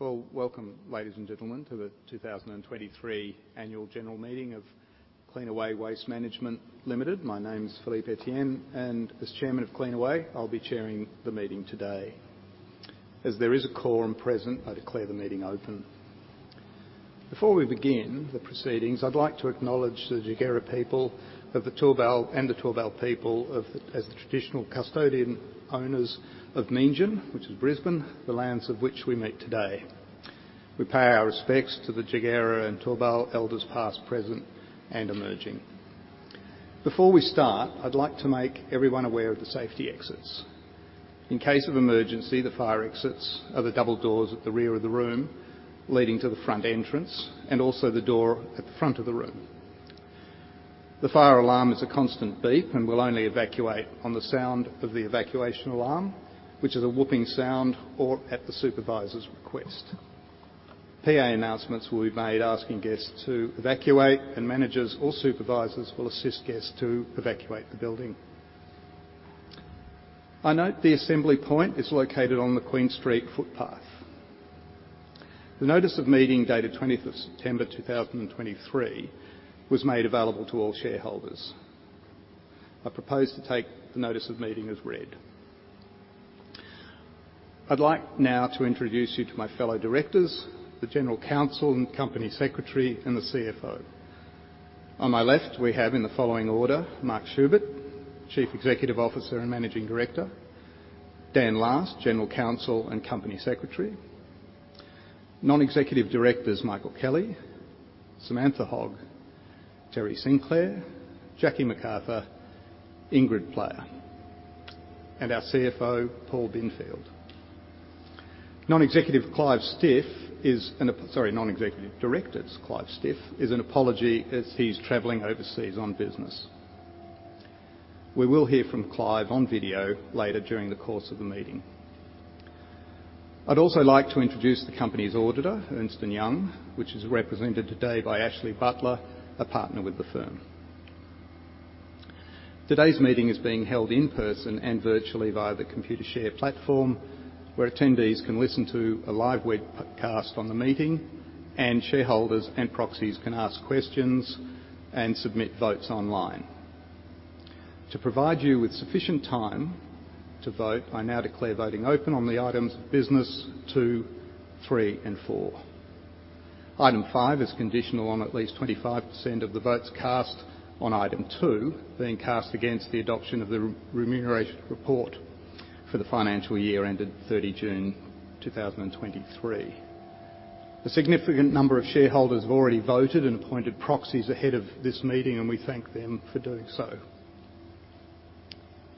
Well, welcome, ladies and gentlemen, to the 2023 annual general meeting of Cleanaway Waste Management Limited. My name is Philippe Etienne, and as Chairman of Cleanaway, I'll be chairing the meeting today. As there is a quorum present, I declare the meeting open. Before we begin the proceedings, I'd like to acknowledge the Jagera and Turrbal people as the traditional custodian owners of Meanjin, which is Brisbane, the lands on which we meet today. We pay our respects to the Jagera and Turrbal elders, past, present, and emerging. Before we start, I'd like to make everyone aware of the safety exits. In case of emergency, the fire exits are the double doors at the rear of the room leading to the front entrance, and also the door at the front of the room. The fire alarm is a constant beep and will only evacuate on the sound of the evacuation alarm, which is a whooping sound, or at the supervisor's request. PA announcements will be made asking guests to evacuate, and managers or supervisors will assist guests to evacuate the building. I note the assembly point is located on the Queen Street footpath. The notice of meeting, dated 20th of September, 2023, was made available to all shareholders. I propose to take the notice of meeting as read. I'd like now to introduce you to my fellow directors, the general counsel and company secretary, and the CFO. On my left, we have, in the following order: Mark Schubert, Chief Executive Officer and Managing Director; Dan Last, General Counsel and Company Secretary; Non-Executive Directors Michael Kelly, Samantha Hogg, Terry Sinclair, Jackie McArthur, Ingrid Player, and our CFO, Paul Binfield. Non-Executive Director Clive Stiff is an apology as he's traveling overseas on business. We will hear from Clive on video later during the course of the meeting. I'd also like to introduce the company's auditor, Ernst & Young, which is represented today by Ashley Butler, a partner with the firm. Today's meeting is being held in person and virtually via the Computershare platform, where attendees can listen to a live webcast on the meeting, and shareholders and proxies can ask questions and submit votes online. To provide you with sufficient time to vote, I now declare voting open on the items of business 2, 3, and 4. Item 5 is conditional on at least 25% of the votes cast on item 2 being cast against the adoption of the re-remuneration report for the financial year ended 30 June 2023. A significant number of shareholders have already voted and appointed proxies ahead of this meeting, and we thank them for doing so.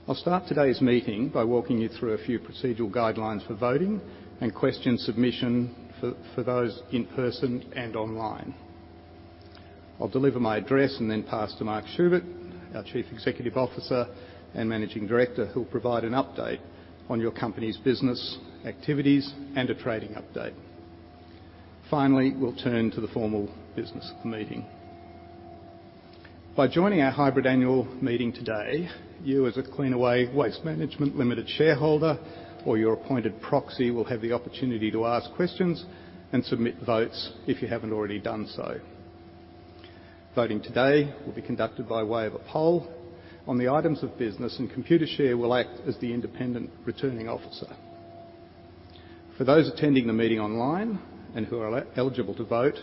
I'll start today's meeting by walking you through a few procedural guidelines for voting and question submission for those in person and online. I'll deliver my address and then pass to Mark Schubert, our Chief Executive Officer and Managing Director, who'll provide an update on your company's business activities and a trading update. Finally, we'll turn to the formal business of the meeting. By joining our hybrid annual meeting today, you, as a Cleanaway Waste Management Limited shareholder or your appointed proxy, will have the opportunity to ask questions and submit votes if you haven't already done so. Voting today will be conducted by way of a poll on the items of business, and Computershare will act as the independent returning officer. For those attending the meeting online and who are eligible to vote,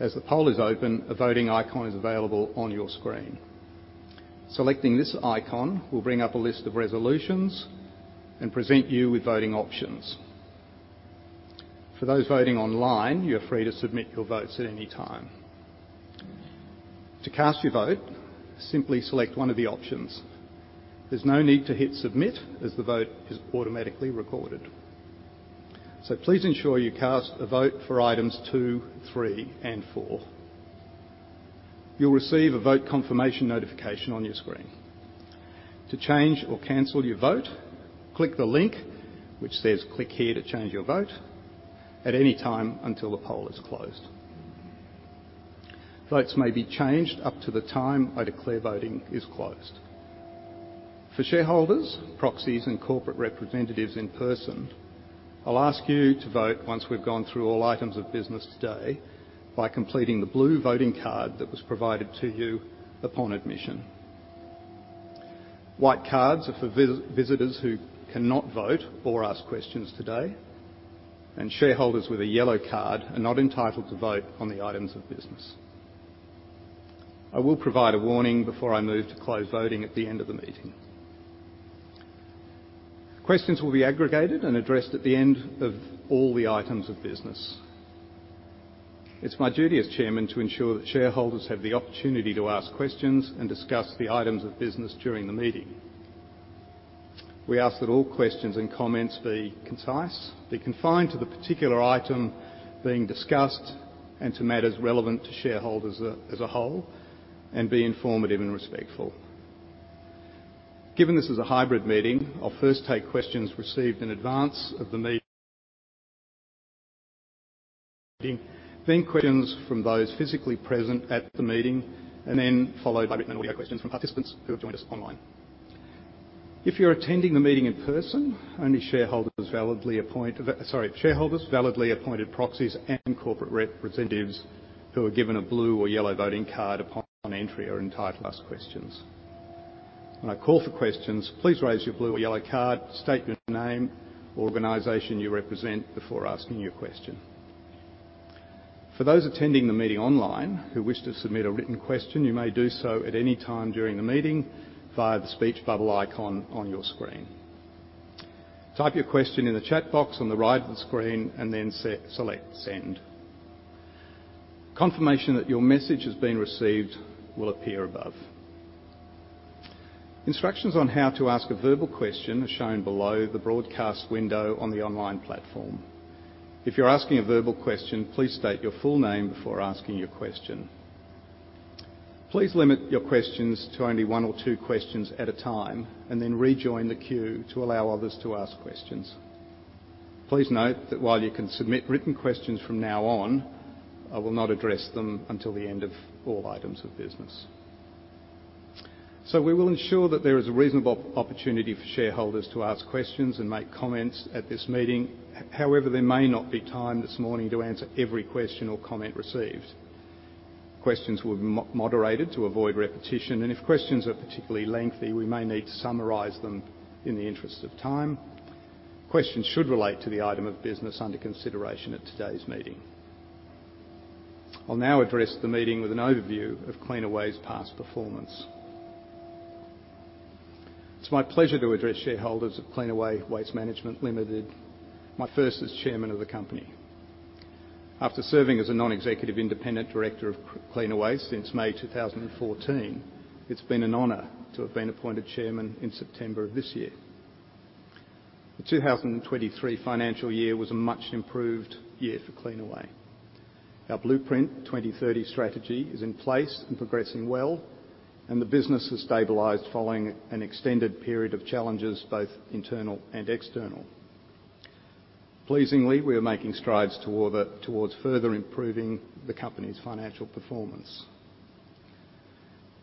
as the poll is open, a voting icon is available on your screen. Selecting this icon will bring up a list of resolutions and present you with voting options. For those voting online, you're free to submit your votes at any time. To cast your vote, simply select one of the options. There's no need to hit Submit, as the vote is automatically recorded. So please ensure you cast a vote for items two, three, and four. You'll receive a vote confirmation notification on your screen. To change or cancel your vote, click the link which says, "Click here to change your vote," at any time until the poll is closed. Votes may be changed up to the time I declare voting is closed. For shareholders, proxies, and corporate representatives in person, I'll ask you to vote once we've gone through all items of business today by completing the blue voting card that was provided to you upon admission. White cards are for visitors who cannot vote or ask questions today, and shareholders with a yellow card are not entitled to vote on the items of business. I will provide a warning before I move to close voting at the end of the meeting. Questions will be aggregated and addressed at the end of all the items of business. It's my duty as Chairman to ensure that shareholders have the opportunity to ask questions and discuss the items of business during the meeting. We ask that all questions and comments be concise, be confined to the particular item being discussed and to matters relevant to shareholders as a whole, and be informative and respectful. Given this is a hybrid meeting, I'll first take questions received in advance of the meeting. Then questions from those physically present at the meeting, and then followed by written audio questions from participants who have joined us online. If you're attending the meeting in person, only shareholders, validly appointed proxies and corporate representatives who are given a blue or yellow voting card upon entry are entitled to ask questions. When I call for questions, please raise your blue or yellow card, state your name, organization you represent, before asking your question. For those attending the meeting online who wish to submit a written question, you may do so at any time during the meeting via the speech bubble icon on your screen. Type your question in the chat box on the right of the screen and then select Send. Confirmation that your message has been received will appear above. Instructions on how to ask a verbal question are shown below the broadcast window on the online platform. If you're asking a verbal question, please state your full name before asking your question. Please limit your questions to only one or two questions at a time, and then rejoin the queue to allow others to ask questions. Please note that while you can submit written questions from now on, I will not address them until the end of all items of business. So we will ensure that there is a reasonable opportunity for shareholders to ask questions and make comments at this meeting. However, there may not be time this morning to answer every question or comment received. Questions will be moderated to avoid repetition, and if questions are particularly lengthy, we may need to summarize them in the interest of time. Questions should relate to the item of business under consideration at today's meeting. I'll now address the meeting with an overview of Cleanaway's past performance. It's my pleasure to address shareholders of Cleanaway Waste Management Limited, my first as Chairman of the company. After serving as a non-executive independent director of Cleanaway since May 2014, it's been an honor to have been appointed Chairman in September of this year. The 2023 financial year was a much improved year for Cleanaway. Our Blueprint 2030 strategy is in place and progressing well, and the business has stabilized following an extended period of challenges, both internal and external. Pleasingly, we are making strides towards further improving the company's financial performance.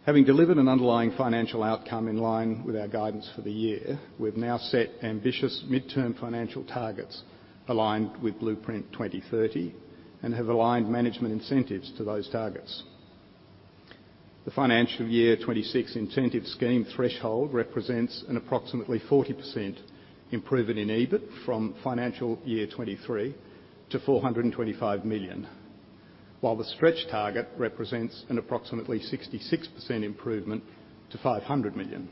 Having delivered an underlying financial outcome in line with our guidance for the year, we've now set ambitious midterm financial targets aligned with Blueprint 2030 and have aligned management incentives to those targets. The financial year 2026 incentive scheme threshold represents an approximately 40% improvement in EBIT from financial year 2023 to 425 million, while the stretch target represents an approximately 66% improvement to 500 million.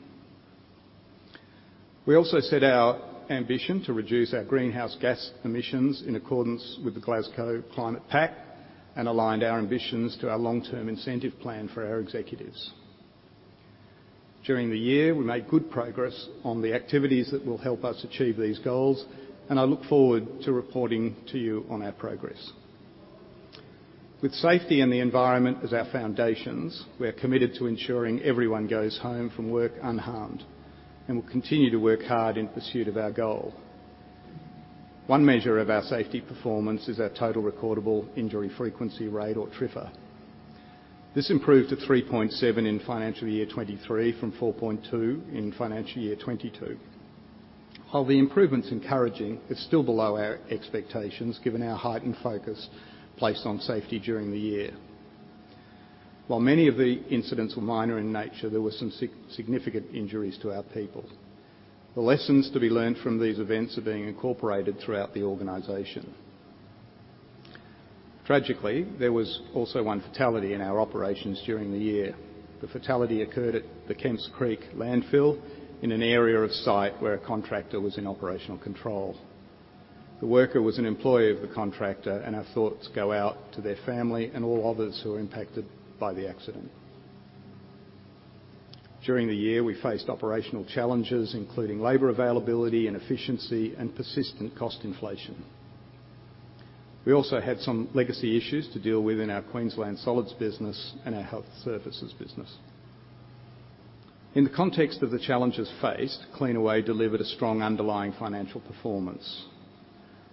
We also set our ambition to reduce our greenhouse gas emissions in accordance with the Glasgow Climate Pact and aligned our ambitions to our long-term incentive plan for our executives. During the year, we made good progress on the activities that will help us achieve these goals, and I look forward to reporting to you on our progress. With safety and the environment as our foundations, we are committed to ensuring everyone goes home from work unharmed and will continue to work hard in pursuit of our goal. One measure of our safety performance is our Total Recordable Injury Frequency Rate, or TRIFR. This improved to 3.7 in financial year 2023 from 4.2 in financial year 2022. While the improvement's encouraging, it's still below our expectations, given our heightened focus placed on safety during the year. While many of the incidents were minor in nature, there were some significant injuries to our people. The lessons to be learnt from these events are being incorporated throughout the organization. Tragically, there was also one fatality in our operations during the year. The fatality occurred at the Kemps Creek landfill, in an area of site where a contractor was in operational control. The worker was an employee of the contractor, and our thoughts go out to their family and all others who were impacted by the accident. During the year, we faced operational challenges, including labor availability and efficiency and persistent cost inflation. We also had some legacy issues to deal with in our Queensland Solids business and our Health Services business. In the context of the challenges faced, Cleanaway delivered a strong underlying financial performance.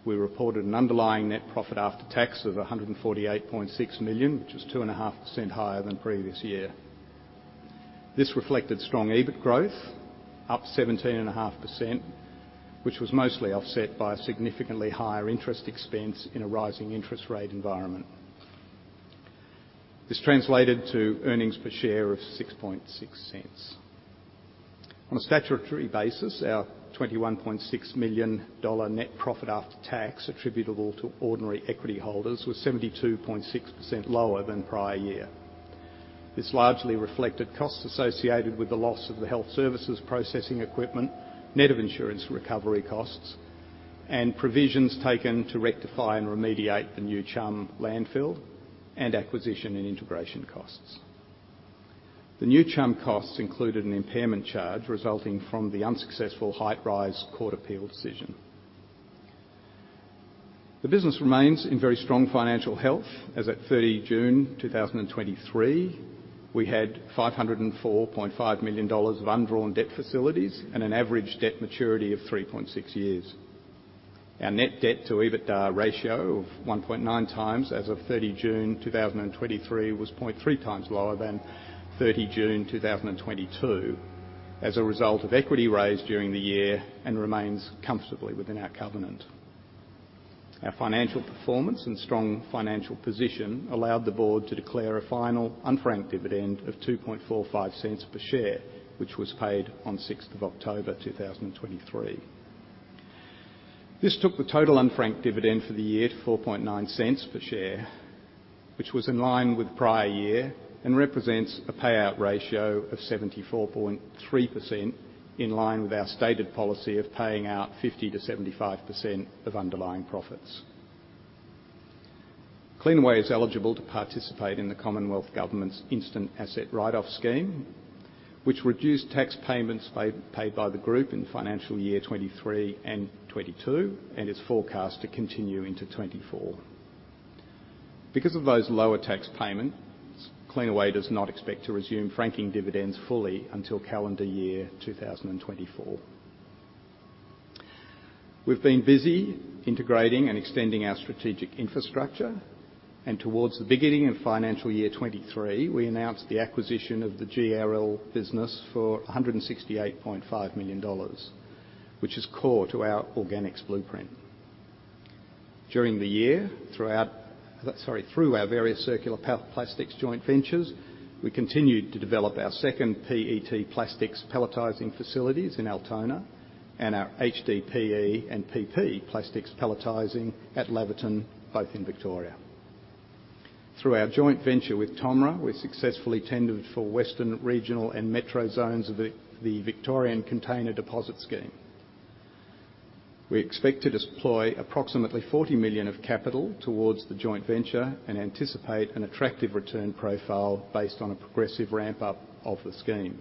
We reported an underlying net profit after tax of 148.6 million, which is 2.5% higher than previous year. This reflected strong EBIT growth, up 17.5%, which was mostly offset by a significantly higher interest expense in a rising interest rate environment. This translated to earnings per share of 0.066. On a statutory basis, our 21.6 million dollar net profit after tax attributable to ordinary equity holders was 72.6% lower than prior year. This largely reflected costs associated with the loss of the health services processing equipment, net of insurance recovery costs and provisions taken to rectify and remediate the New Chum Landfill and acquisition and integration costs. The New Chum costs included an impairment charge resulting from the unsuccessful high price court appeal decision. The business remains in very strong financial health, as at 30 June 2023. We had 504.5 million dollars of undrawn debt facilities and an average debt maturity of 3.6 years. Our net debt to EBITDA ratio of 1.9x as of 30 June 2023, was 0.3x lower than 30 June 2022, as a result of equity raised during the year and remains comfortably within our covenant. Our financial performance and strong financial position allowed the board to declare a final unfranked dividend of 0.0245 per share, which was paid on 6 October 2023. This took the total unfranked dividend for the year to 0.049 per share, which was in line with prior year and represents a payout ratio of 74.3%, in line with our stated policy of paying out 50%-75% of underlying profits. Cleanaway is eligible to participate in the Commonwealth Government's Instant Asset Write-Off Scheme, which reduced tax payments paid by the Group in financial year 2023 and 2022, and is forecast to continue into 2024. Because of those lower tax payments, Cleanaway does not expect to resume franking dividends fully until calendar year 2024. We've been busy integrating and extending our strategic infrastructure, and towards the beginning of financial year 2023, we announced the acquisition of the GRL business for AUD 168.5 million, which is core to our Organics Blueprint. During the year, through our various circular plastics joint ventures, we continued to develop our second PET plastics pelletizing facilities in Altona and our HDPE and PP plastics pelletizing at Laverton, both in Victoria. Through our joint venture with TOMRA, we successfully tendered for Western, Regional and Metro zones of the Victorian Container Deposit Scheme. We expect to deploy approximately 40 million of capital towards the joint venture and anticipate an attractive return profile based on a progressive ramp-up of the scheme.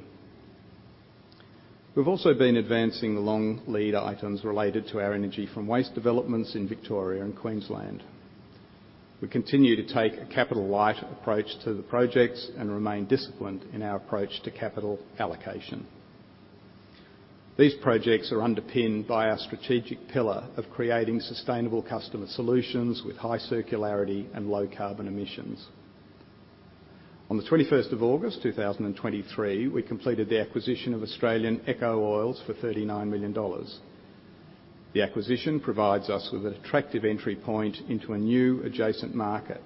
We've also been advancing the long lead items related to our energy from waste developments in Victoria and Queensland. We continue to take a capital-light approach to the projects and remain disciplined in our approach to capital allocation. These projects are underpinned by our strategic pillar of creating sustainable customer solutions with high circularity and low carbon emissions. On the 21st of August, 2023, we completed the acquisition of Australian Echo Oils for AUD 39 million. The acquisition provides us with an attractive entry point into a new adjacent market.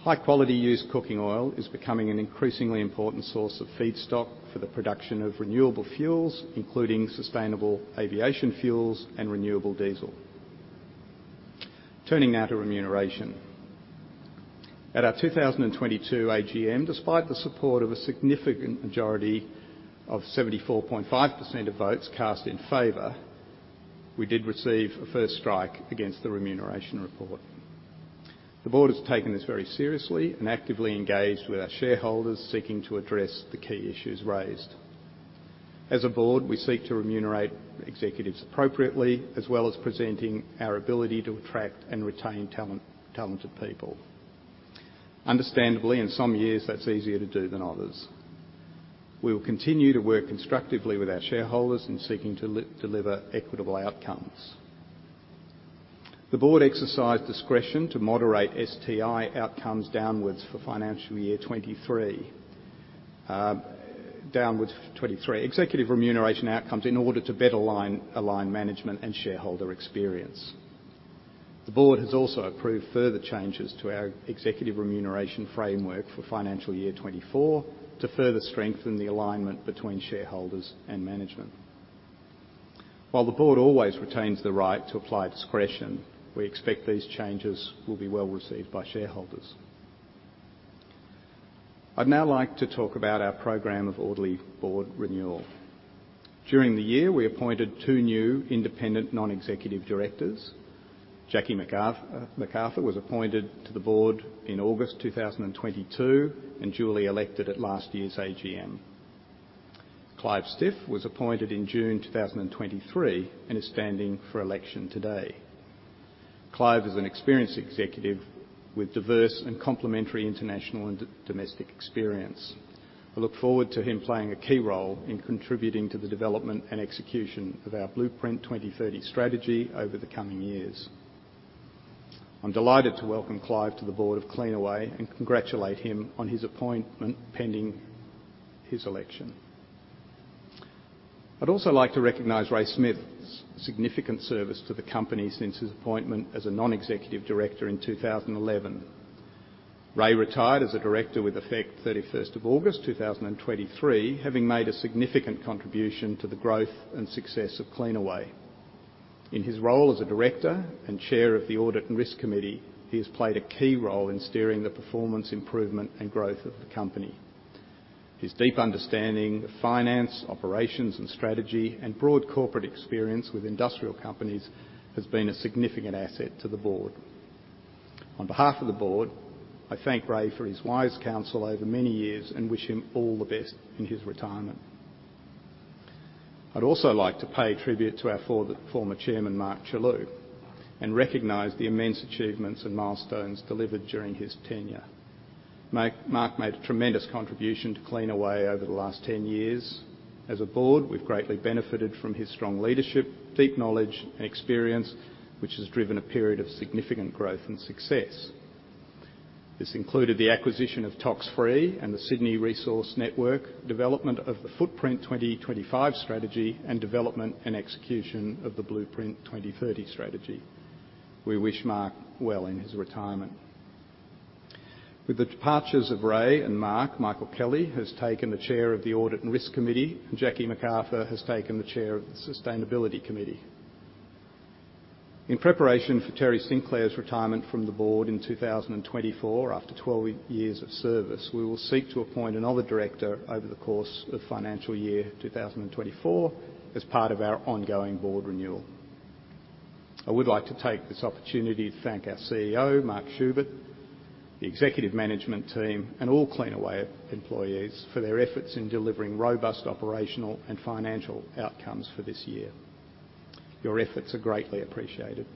High-quality used cooking oil is becoming an increasingly important source of feedstock for the production of renewable fuels, including sustainable aviation fuels and renewable diesel. Turning now to remuneration. At our 2022 AGM, despite the support of a significant majority of 74.5% of votes cast in favor, we did receive a first strike against the remuneration report. The Board has taken this very seriously and actively engaged with our shareholders, seeking to address the key issues raised. As a board, we seek to remunerate executives appropriately, as well as presenting our ability to attract and retain talented people. Understandably, in some years, that's easier to do than others. We will continue to work constructively with our shareholders in seeking to deliver equitable outcomes. The Board exercised discretion to moderate STI outcomes downwards for financial year 2023, downwards for 2023. Executive remuneration outcomes in order to better align management and shareholder experience. The Board has also approved further changes to our executive remuneration framework for financial year 2024, to further strengthen the alignment between shareholders and management. While the Board always retains the right to apply discretion, we expect these changes will be well received by shareholders. I'd now like to talk about our program of orderly board renewal. During the year, we appointed two new independent non-executive directors. Jackie McArthur was appointed to the board in August 2022 and duly elected at last year's AGM. Clive Stiff was appointed in June 2023 and is standing for election today. Clive is an experienced executive with diverse and complementary international and domestic experience. I look forward to him playing a key role in contributing to the development and execution of our Blueprint 2030 strategy over the coming years. I'm delighted to welcome Clive to the board of Cleanaway and congratulate him on his appointment, pending his election. I'd also like to recognize Ray Smith's significant service to the company since his appointment as a non-executive director in 2011. Ray retired as a director with effect 31st of August 2023, having made a significant contribution to the growth and success of Cleanaway. In his role as a director and Chair of the Audit and Risk Committee, he has played a key role in steering the performance, improvement, and growth of the company. His deep understanding of finance, operations, and strategy, and broad corporate experience with industrial companies has been a significant asset to the board. On behalf of the board, I thank Ray for his wise counsel over many years and wish him all the best in his retirement. I'd also like to pay tribute to our former Chairman, Mark Chellew, and recognize the immense achievements and milestones delivered during his tenure. Mark made a tremendous contribution to Cleanaway over the last 10 years. As a board, we've greatly benefited from his strong leadership, deep knowledge, and experience, which has driven a period of significant growth and success. This included the acquisition of Toxfree and the Sydney Resource Network, development of the Footprint 2025 strategy, and development and execution of the Blueprint 2030 strategy. We wish Mark well in his retirement. With the departures of Ray and Mark, Michael Kelly has taken the Chair of the Audit and Risk Committee, and Jackie McArthur has taken the Chair of the Sustainability Committee. In preparation for Terry Sinclair's retirement from the board in 2024, after 12 years of service, we will seek to appoint another director over the course of financial year 2024 as part of our ongoing board renewal. I would like to take this opportunity to thank our CEO, Mark Schubert, the executive management team, and all Cleanaway employees for their efforts in delivering robust operational and financial outcomes for this year. Your efforts are greatly appreciated.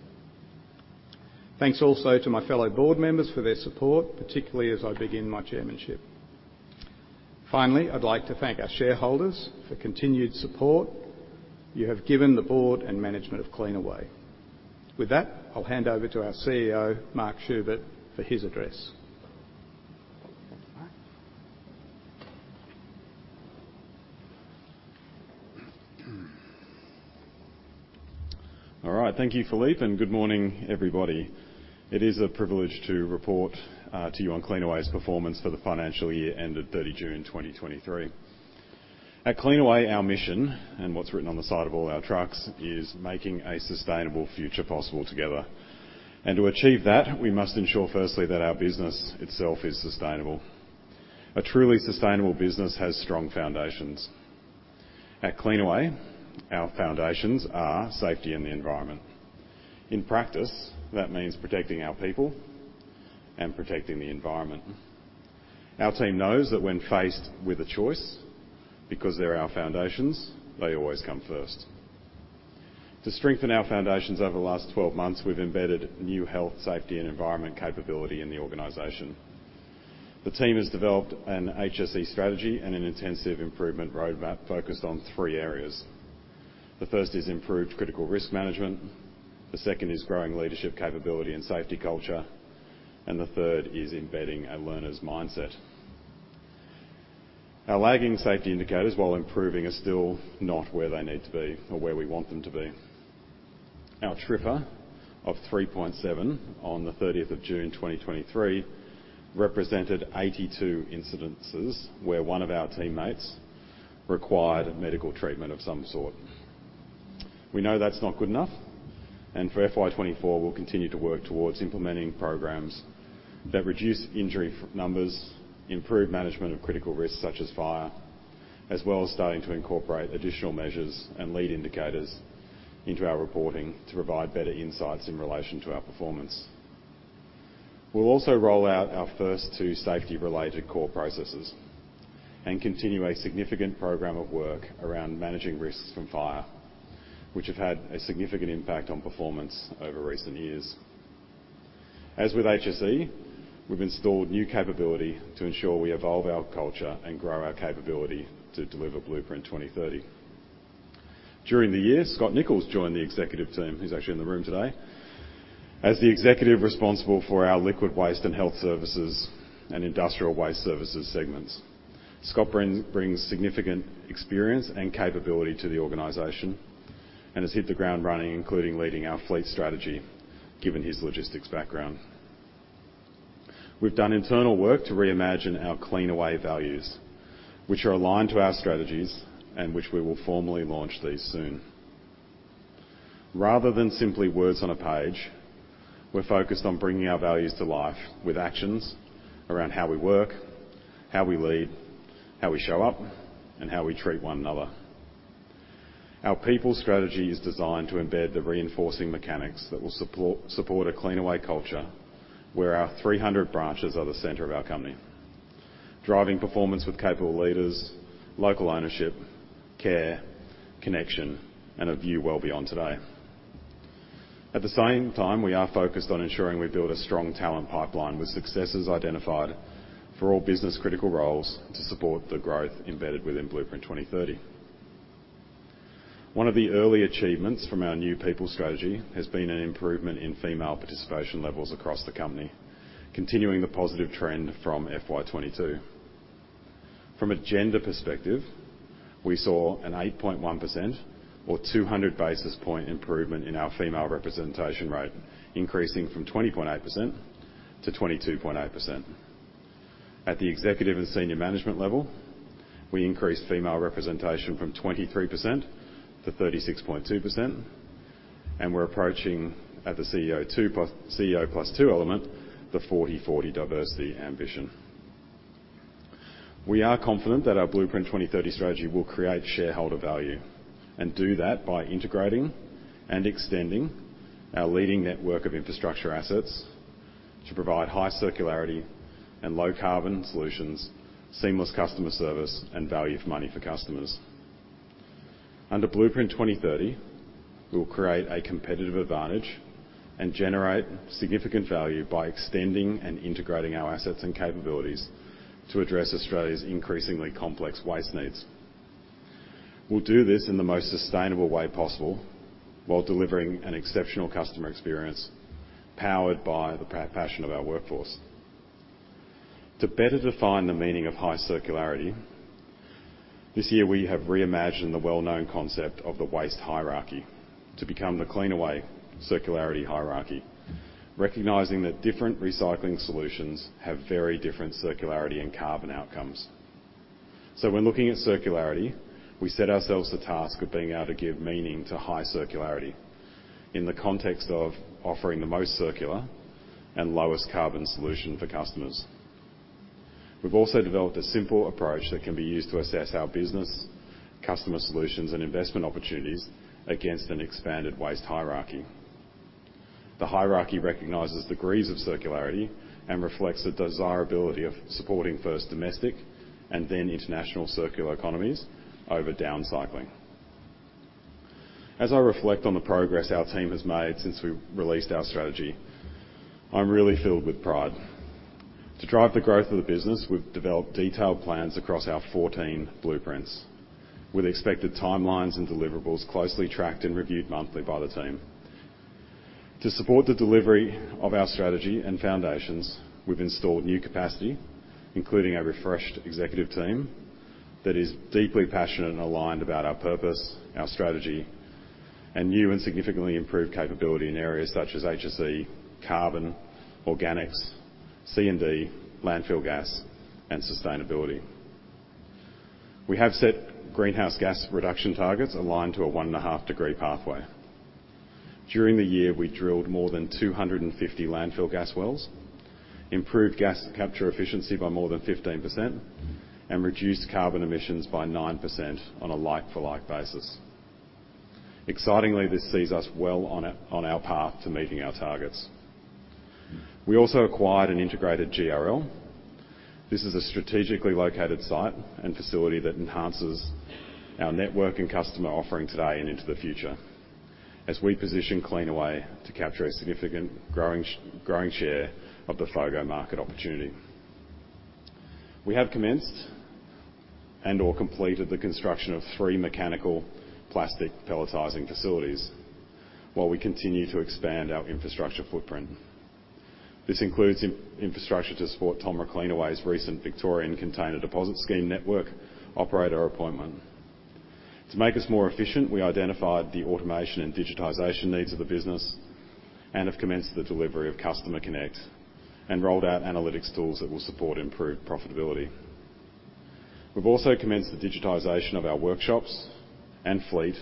Thanks also to my fellow board members for their support, particularly as I begin my Chairmanship. Finally, I'd like to thank our shareholders for continued support you have given the board and management of Cleanaway. With that, I'll hand over to our CEO, Mark Schubert, for his address. Thanks, Mark. All right, thank you, Philippe, and good morning, everybody. It is a privilege to report to you on Cleanaway's performance for the financial year ended 30 June 2023. At Cleanaway, our mission, and what's written on the side of all our trucks, is "Making a sustainable future possible together." And to achieve that, we must ensure, firstly, that our business itself is sustainable. A truly sustainable business has strong foundations. At Cleanaway, our foundations are safety and the environment. In practice, that means protecting our people and protecting the environment. Our team knows that when faced with a choice, because they're our foundations, they always come first. To strengthen our foundations over the last 12 months, we've embedded new health, safety, and environment capability in the organization. The team has developed an HSE strategy and an intensive improvement roadmap focused on three areas. The first is improved critical risk management, the second is growing leadership capability and safety culture, and the third is embedding a learner's mindset. Our lagging safety indicators, while improving, are still not where they need to be or where we want them to be. Our TRIFR of 3.7 on the 30th of June, 2023, represented 82 incidences where one of our teammates required medical treatment of some sort. We know that's not good enough, and for FY 2024, we'll continue to work towards implementing programs that reduce injury numbers, improve management of critical risks such as fire, as well as starting to incorporate additional measures and lead indicators into our reporting to provide better insights in relation to our performance. We'll also roll out our first two safety-related core processes and continue a significant program of work around managing risks from fire, which have had a significant impact on performance over recent years. As with HSE, we've installed new capability to ensure we evolve our culture and grow our capability to deliver Blueprint 2030. During the year, Scott Nicholls joined the executive team, he's actually in the room today, as the executive responsible for our liquid waste and health services and industrial waste services segments. Scott brings significant experience and capability to the organization and has hit the ground running, including leading our fleet strategy, given his logistics background. We've done internal work to reimagine our Cleanaway values, which are aligned to our strategies and which we will formally launch these soon. Rather than simply words on a page, we're focused on bringing our values to life with actions around how we work, how we lead, how we show up, and how we treat one another. Our people strategy is designed to embed the reinforcing mechanics that will support a Cleanaway culture where our 300 branches are the center of our company, driving performance with capable leaders, local ownership, care, connection, and a view well beyond today. At the same time, we are focused on ensuring we build a strong talent pipeline with successes identified for all business-critical roles to support the growth embedded within Blueprint 2030. One of the early achievements from our new people strategy has been an improvement in female participation levels across the company, continuing the positive trend from FY 2022. From a gender perspective, we saw an 8.1% or 200 basis point improvement in our female representation rate, increasing from 20.8% to 22.8%. At the executive and senior management level, we increased female representation from 23% to 36.2%, and we're approaching at the CEO +2-- CEO +2 element, the 40-40 diversity ambition. We are confident that our Blueprint 2030 strategy will create shareholder value and do that by integrating and extending our leading network of infrastructure assets to provide high circularity and low carbon solutions, seamless customer service, and value for money for customers. Under Blueprint 2030, we will create a competitive advantage and generate significant value by extending and integrating our assets and capabilities to address Australia's increasingly complex waste needs. We'll do this in the most sustainable way possible, while delivering an exceptional customer experience, powered by the passion of our workforce. To better define the meaning of high circularity, this year we have reimagined the well-known concept of the waste hierarchy to become the Cleanaway Circularity Hierarchy, recognizing that different recycling solutions have very different circularity and carbon outcomes. So when looking at circularity, we set ourselves the task of being able to give meaning to high circularity in the context of offering the most circular and lowest carbon solution for customers. We've also developed a simple approach that can be used to assess our business, customer solutions, and investment opportunities against an expanded waste hierarchy. The hierarchy recognizes degrees of circularity and reflects the desirability of supporting first domestic and then international circular economies over downcycling. As I reflect on the progress our team has made since we've released our strategy, I'm really filled with pride. To drive the growth of the business, we've developed detailed plans across our 14 blueprints, with expected timelines and deliverables closely tracked and reviewed monthly by the team. To support the delivery of our strategy and foundations, we've installed new capacity, including a refreshed executive team, that is deeply passionate and aligned about our purpose, our strategy, and new and significantly improved capability in areas such as HSE, carbon, organics, C&D, landfill gas, and sustainability. We have set greenhouse gas reduction targets aligned to a 1.5-degree pathway. During the year, we drilled more than 250 landfill gas wells, improved gas capture efficiency by more than 15%, and reduced carbon emissions by 9% on a like-for-like basis. Excitingly, this sees us well on our path to meeting our targets. We also acquired an integrated GRL. This is a strategically located site and facility that enhances our network and customer offering today and into the future as we position Cleanaway to capture a significant growing share of the FOGO market opportunity. We have commenced and/or completed the construction of three mechanical plastic pelletizing facilities while we continue to expand our infrastructure footprint. This includes infrastructure to support Tomra Cleanaway's recent Victorian Container Deposit Scheme network operator appointment. To make us more efficient, we identified the automation and digitization needs of the business and have commenced the delivery of Customer Connect and rolled out analytics tools that will support improved profitability. We've also commenced the digitization of our workshops and fleet,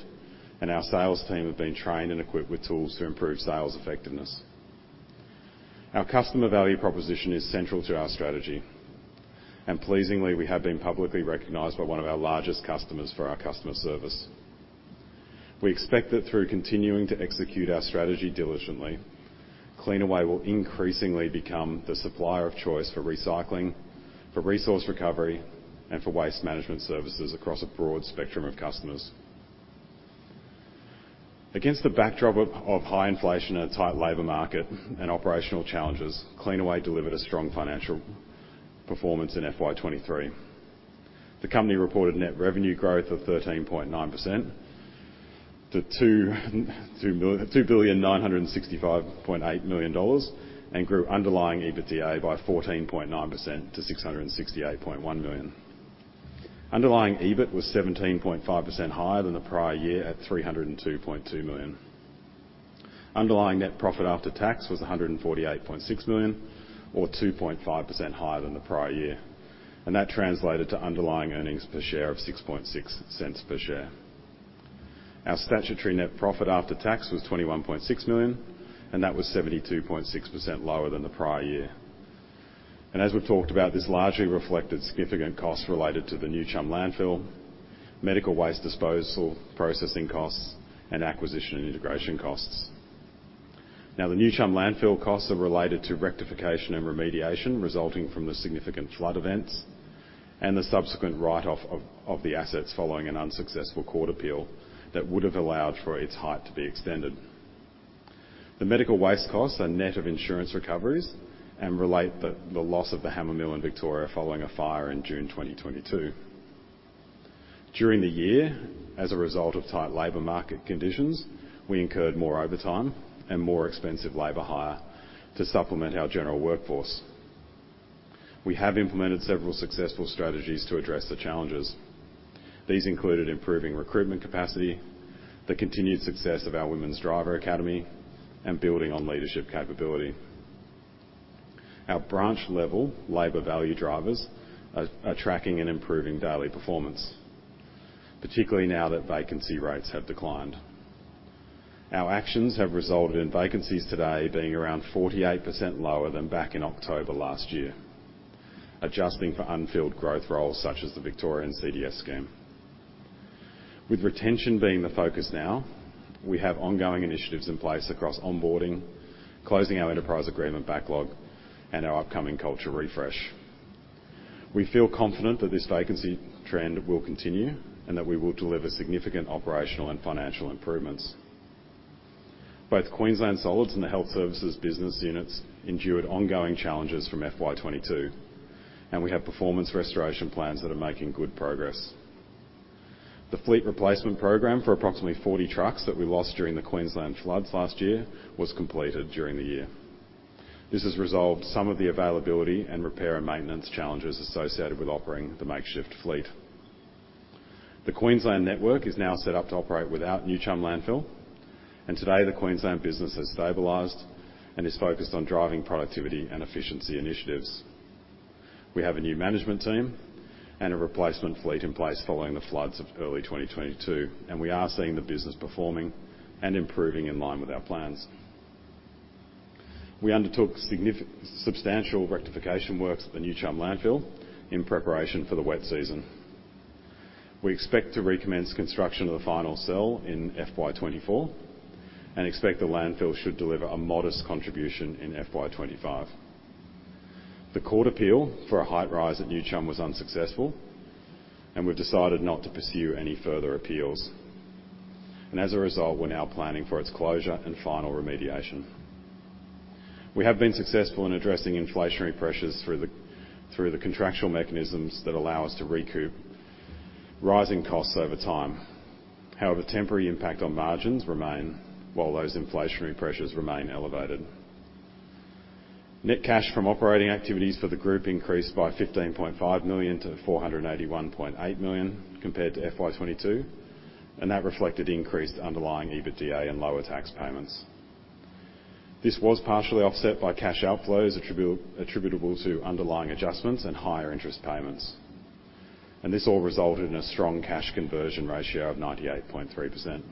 and our sales team have been trained and equipped with tools to improve sales effectiveness. Our customer value proposition is central to our strategy, and pleasingly, we have been publicly recognized by one of our largest customers for our customer service. We expect that through continuing to execute our strategy diligently, Cleanaway will increasingly become the supplier of choice for recycling, for resource recovery, and for waste management services across a broad spectrum of customers. Against the backdrop of high inflation and a tight labor market and operational challenges, Cleanaway delivered a strong financial performance in FY 2023. The company reported net revenue growth of 13.9% to 2,965.8 million dollars and grew underlying EBITDA by 14.9% to 668.1 million. Underlying EBIT was 17.5% higher than the prior year at 302.2 million. Underlying net profit after tax was 148.6 million or 2.5% higher than the prior year, and that translated to underlying earnings per share of 0.066. Our statutory net profit after tax was 21.6 million, and that was 72.6% lower than the prior year. As we've talked about, this largely reflected significant costs related to the New Chum Landfill, medical waste disposal, processing costs, and acquisition and integration costs. Now, the New Chum Landfill costs are related to rectification and remediation resulting from the significant flood events and the subsequent write-off of the assets following an unsuccessful court appeal that would have allowed for its height to be extended. The medical waste costs are net of insurance recoveries and relate to the loss of the hammer mill in Victoria following a fire in June 2022. During the year, as a result of tight labor market conditions, we incurred more overtime and more expensive labor hire to supplement our general workforce. We have implemented several successful strategies to address the challenges. These included improving recruitment capacity, the continued success of our Women's Driver Academy, and building on leadership capability. Our branch-level labor value drivers are tracking and improving daily performance, particularly now that vacancy rates have declined. Our actions have resulted in vacancies today being around 48% lower than back in October last year, adjusting for unfilled growth roles such as the Victorian CDS scheme. With retention being the focus now, we have ongoing initiatives in place across onboarding, closing our enterprise agreement backlog, and our upcoming culture refresh. We feel confident that this vacancy trend will continue, and that we will deliver significant operational and financial improvements. Both Queensland Solids and the Health Services business units endured ongoing challenges from FY 2022, and we have performance restoration plans that are making good progress. The fleet replacement program for approximately 40 trucks that we lost during the Queensland floods last year was completed during the year. This has resolved some of the availability and repair and maintenance challenges associated with operating the makeshift fleet. The Queensland network is now set up to operate without New Chum Landfill, and today, the Queensland business has stabilized and is focused on driving productivity and efficiency initiatives. We have a new management team and a replacement fleet in place following the floods of early 2022, and we are seeing the business performing and improving in line with our plans. We undertook substantial rectification works at the New Chum Landfill in preparation for the wet season. We expect to recommence construction of the final cell in FY 2024 and expect the landfill should deliver a modest contribution in FY 2025. The court appeal for a height rise at New Chum was unsuccessful, and we've decided not to pursue any further appeals. And as a result, we're now planning for its closure and final remediation. We have been successful in addressing inflationary pressures through the contractual mechanisms that allow us to recoup rising costs over time. However, temporary impact on margins remain while those inflationary pressures remain elevated. Net cash from operating activities for the group increased by 15.5 million to 481.8 million compared to FY 2022, and that reflected increased underlying EBITDA and lower tax payments. This was partially offset by cash outflows attributable to underlying adjustments and higher interest payments. This all resulted in a strong cash conversion ratio of 98.3%.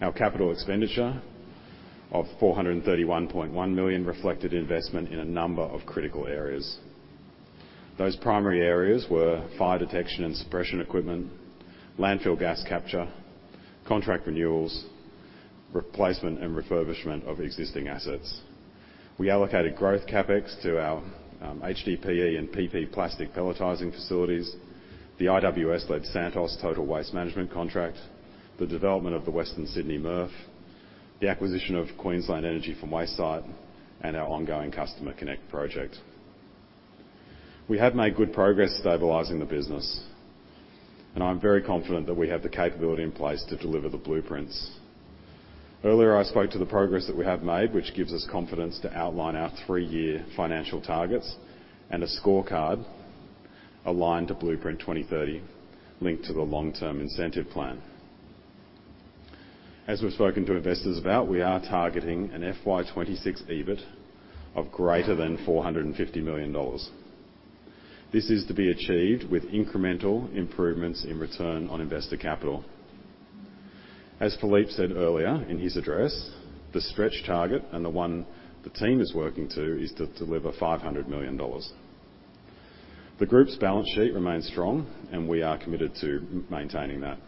Our capital expenditure of 431.1 million reflected investment in a number of critical areas. Those primary areas were fire detection and suppression equipment, landfill gas capture, contract renewals, replacement and refurbishment of existing assets. We allocated growth CapEx to our HDPE and PP plastic pelletizing facilities, the IWS-led Santos Total Waste Management contract, the development of the Western Sydney MRF, the acquisition of Queensland Energy from Waste site, and our ongoing Customer Connect project. We have made good progress stabilizing the business, and I'm very confident that we have the capability in place to deliver the blueprints. Earlier, I spoke to the progress that we have made, which gives us confidence to outline our three-year financial targets and a scorecard aligned to Blueprint 2030, linked to the long-term incentive plan. As we've spoken to investors about, we are targeting an FY 2026 EBIT of greater than 450 million dollars. This is to be achieved with incremental improvements in return on invested capital. As Philippe said earlier in his address, the stretch target and the one the team is working to is to deliver 500 million dollars. The group's balance sheet remains strong, and we are committed to maintaining that.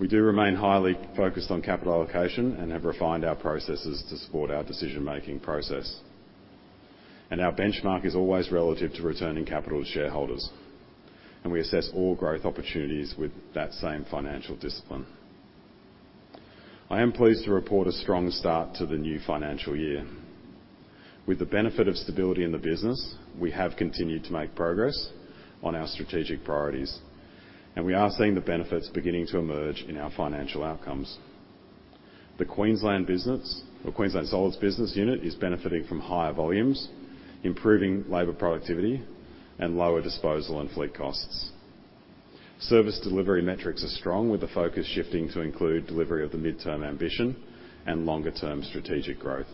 We do remain highly focused on capital allocation and have refined our processes to support our decision-making process. Our benchmark is always relative to returning capital to shareholders, and we assess all growth opportunities with that same financial discipline. I am pleased to report a strong start to the new financial year. With the benefit of stability in the business, we have continued to make progress on our strategic priorities, and we are seeing the benefits beginning to emerge in our financial outcomes. The Queensland business, or Queensland Solids business unit, is benefiting from higher volumes, improving labor productivity, and lower disposal and fleet costs. Service delivery metrics are strong, with the focus shifting to include delivery of the midterm ambition and longer-term strategic growth.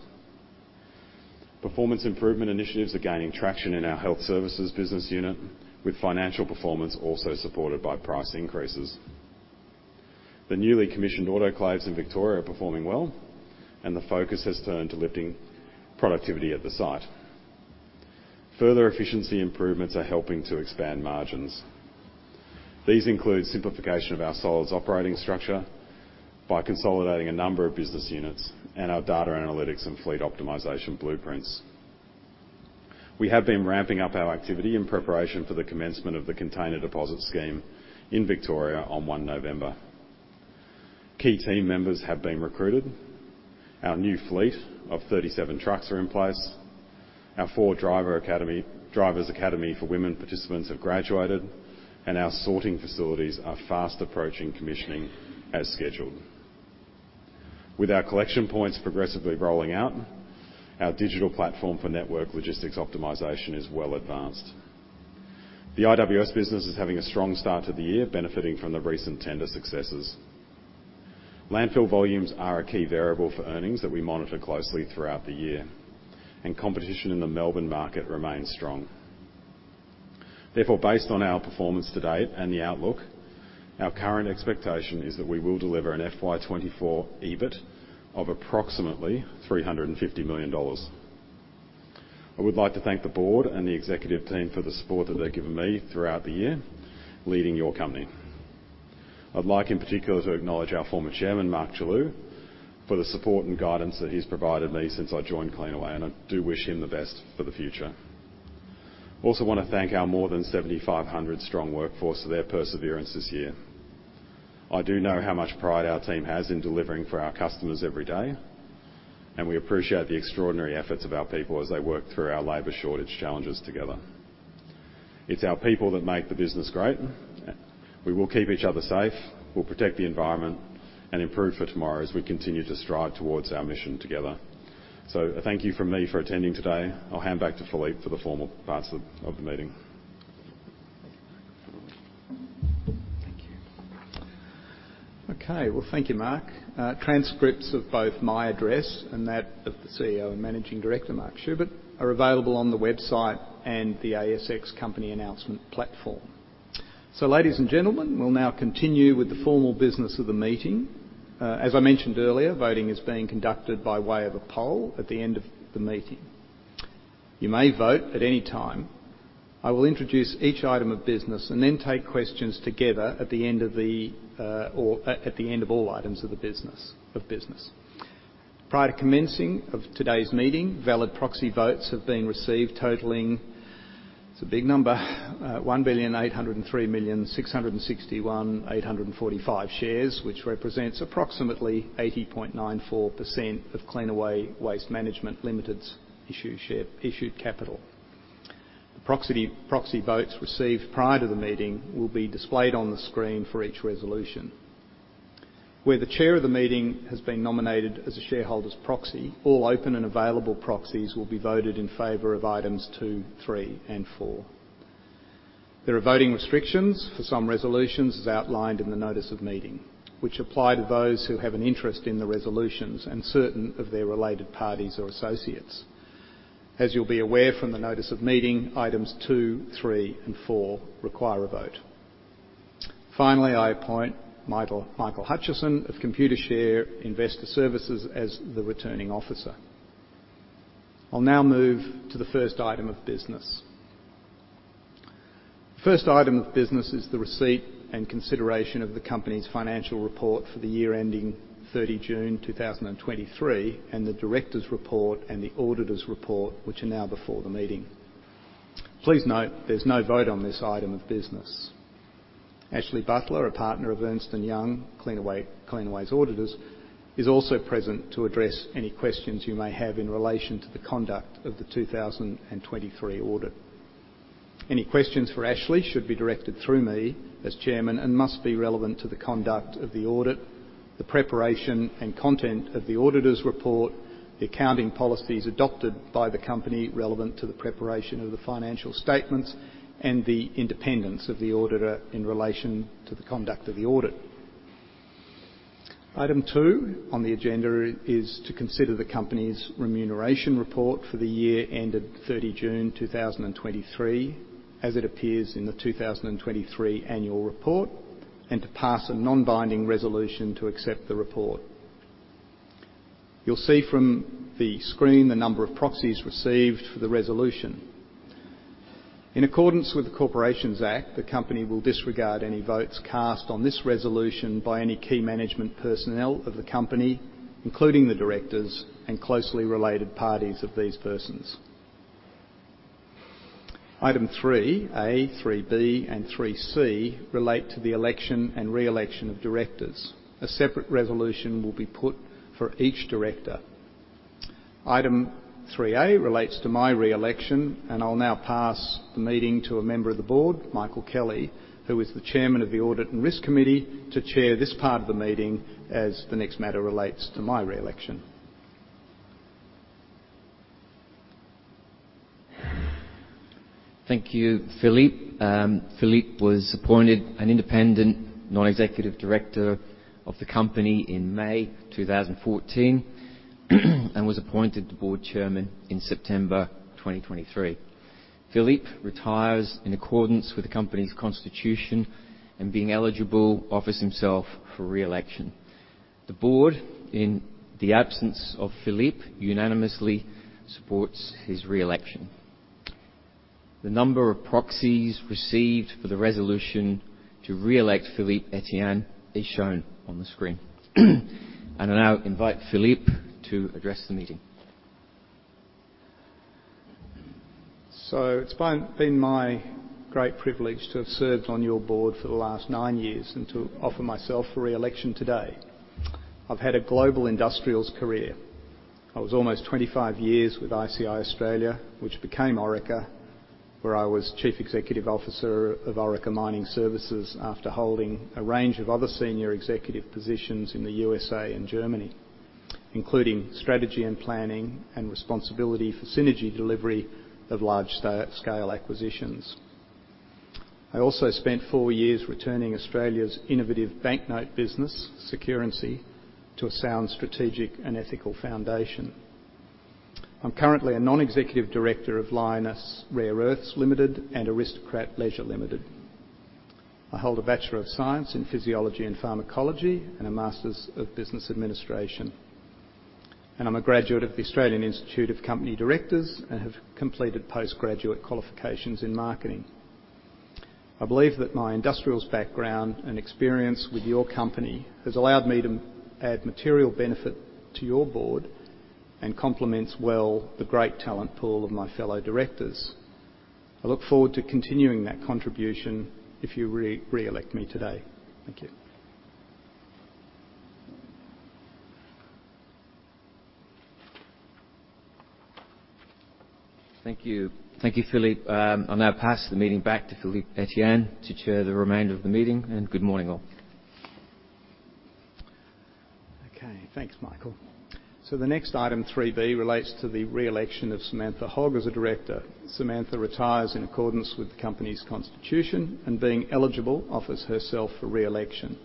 Performance improvement initiatives are gaining traction in our health services business unit, with financial performance also supported by price increases. The newly commissioned autoclaves in Victoria are performing well, and the focus has turned to lifting productivity at the site. Further efficiency improvements are helping to expand margins. These include simplification of our solids operating structure by consolidating a number of business units and our data analytics and fleet optimization blueprints. We have been ramping up our activity in preparation for the commencement of the container deposit scheme in Victoria on 1 November. Key team members have been recruited. Our new fleet of 37 trucks are in place. Our four drivers academy for women participants have graduated, and our sorting facilities are fast approaching commissioning as scheduled. With our collection points progressively rolling out, our digital platform for network logistics optimization is well advanced. The IWS business is having a strong start to the year, benefiting from the recent tender successes. Landfill volumes are a key variable for earnings that we monitor closely throughout the year, and competition in the Melbourne market remains strong. Therefore, based on our performance to date and the outlook, our current expectation is that we will deliver an FY 2024 EBIT of approximately 350 million dollars.... I would like to thank the board and the executive team for the support that they've given me throughout the year, leading your company. I'd like, in particular, to acknowledge our former Chairman, Mark Chellew, for the support and guidance that he's provided me since I joined Cleanaway, and I do wish him the best for the future. I also wanna thank our more than 7,500-strong workforce for their perseverance this year. I do know how much pride our team has in delivering for our customers every day, and we appreciate the extraordinary efforts of our people as they work through our labor shortage challenges together. It's our people that make the business great. We will keep each other safe, we'll protect the environment, and improve for tomorrow as we continue to strive towards our mission together. So a thank you from me for attending today. I'll hand back to Philippe for the formal parts of the meeting. Thank you. Okay, well, thank you, Mark. Transcripts of both my address and that of the CEO and Managing Director, Mark Schubert, are available on the website and the ASX company announcement platform. So, ladies and gentlemen, we'll now continue with the formal business of the meeting. As I mentioned earlier, voting is being conducted by way of a poll at the end of the meeting. You may vote at any time. I will introduce each item of business and then take questions together at the end of the, or at the end of all items of business. Prior to commencing of today's meeting, valid proxy votes have been received totaling... It's a big number, 1,803,661,845 shares, which represents approximately 80.94% of Cleanaway Waste Management Limited's issued capital. The proxy votes received prior to the meeting will be displayed on the screen for each resolution. Where the Chair of the meeting has been nominated as a shareholder's proxy, all open and available proxies will be voted in favor of items 2, 3, and 4. There are voting restrictions for some resolutions, as outlined in the notice of meeting, which apply to those who have an interest in the resolutions and certain of their related parties or associates. As you'll be aware from the notice of meeting, items two, three, and four require a vote. Finally, I appoint Michael Hutchison of Computershare Investor Services, as the Returning Officer. I'll now move to the first item of business. First item of business is the receipt and consideration of the company's financial report for the year ending 30 June 2023, and the directors' report and the auditors' report, which are now before the meeting. Please note, there's no vote on this item of business. Ashley Butler, a partner of Ernst & Young, Cleanaway, Cleanaway's auditors, is also present to address any questions you may have in relation to the conduct of the 2023 audit. Any questions for Ashley should be directed through me, as Chairman, and must be relevant to the conduct of the audit, the preparation and content of the auditor's report, the accounting policies adopted by the company relevant to the preparation of the financial statements, and the independence of the auditor in relation to the conduct of the audit. Item 2 on the agenda is to consider the company's remuneration report for the year ended 30 June 2023, as it appears in the 2023 annual report, and to pass a non-binding resolution to accept the report. You'll see from the screen the number of proxies received for the resolution. In accordance with the Corporations Act, the company will disregard any votes cast on this resolution by any key management personnel of the company, including the directors and closely related parties of these persons. Item 3A, 3B, and 3C relate to the election and re-election of directors. A separate resolution will be put for each director. Item 3A relates to my re-election, and I'll now pass the meeting to a member of the Board, Michael Kelly, who is the Chairman of the Audit and Risk Committee, to chair this part of the meeting as the next matter relates to my re-election. Thank you, Philippe. Philippe was appointed an independent non-executive director of the company in May 2014, and was appointed the Board Chairman in September 2023. Philippe retires in accordance with the company's constitution, and being eligible, offers himself for re-election. The board, in the absence of Philippe, unanimously supports his re-election. The number of proxies received for the resolution to re-elect Philippe Etienne is shown on the screen. I now invite Philippe to address the meeting. So it's been my great privilege to have served on your board for the last nine years and to offer myself for re-election today. I've had a global industrials career. I was almost 25 years with ICI Australia, which became Orica, where I was Chief Executive Officer of Orica Mining Services after holding a range of other senior executive positions in the USA and Germany, including strategy and planning and responsibility for synergy delivery of large scale acquisitions. I also spent four years returning Australia's innovative banknote business, Securency, to a sound, strategic and ethical foundation. I'm currently a non-executive director of Lynas Rare Earths Limited and Aristocrat Leisure Limited. I hold a Bachelor of Science in Physiology and Pharmacology, and a Master's of Business Administration. I'm a graduate of the Australian Institute of Company Directors, and have completed postgraduate qualifications in marketing. I believe that my industrials background and experience with your company has allowed me to add material benefit to your board, and complements well the great talent pool of my fellow directors. I look forward to continuing that contribution if you reelect me today. Thank you. Thank you. Thank you, Philippe. I'll now pass the meeting back to Philippe Etienne to chair the remainder of the meeting, and good morning, all. Okay, thanks, Michael. So the next item 3B, relates to the re-election of Samantha Hogg as a Director. Samantha retires in accordance with the company's constitution, and being eligible, offers herself for re-election.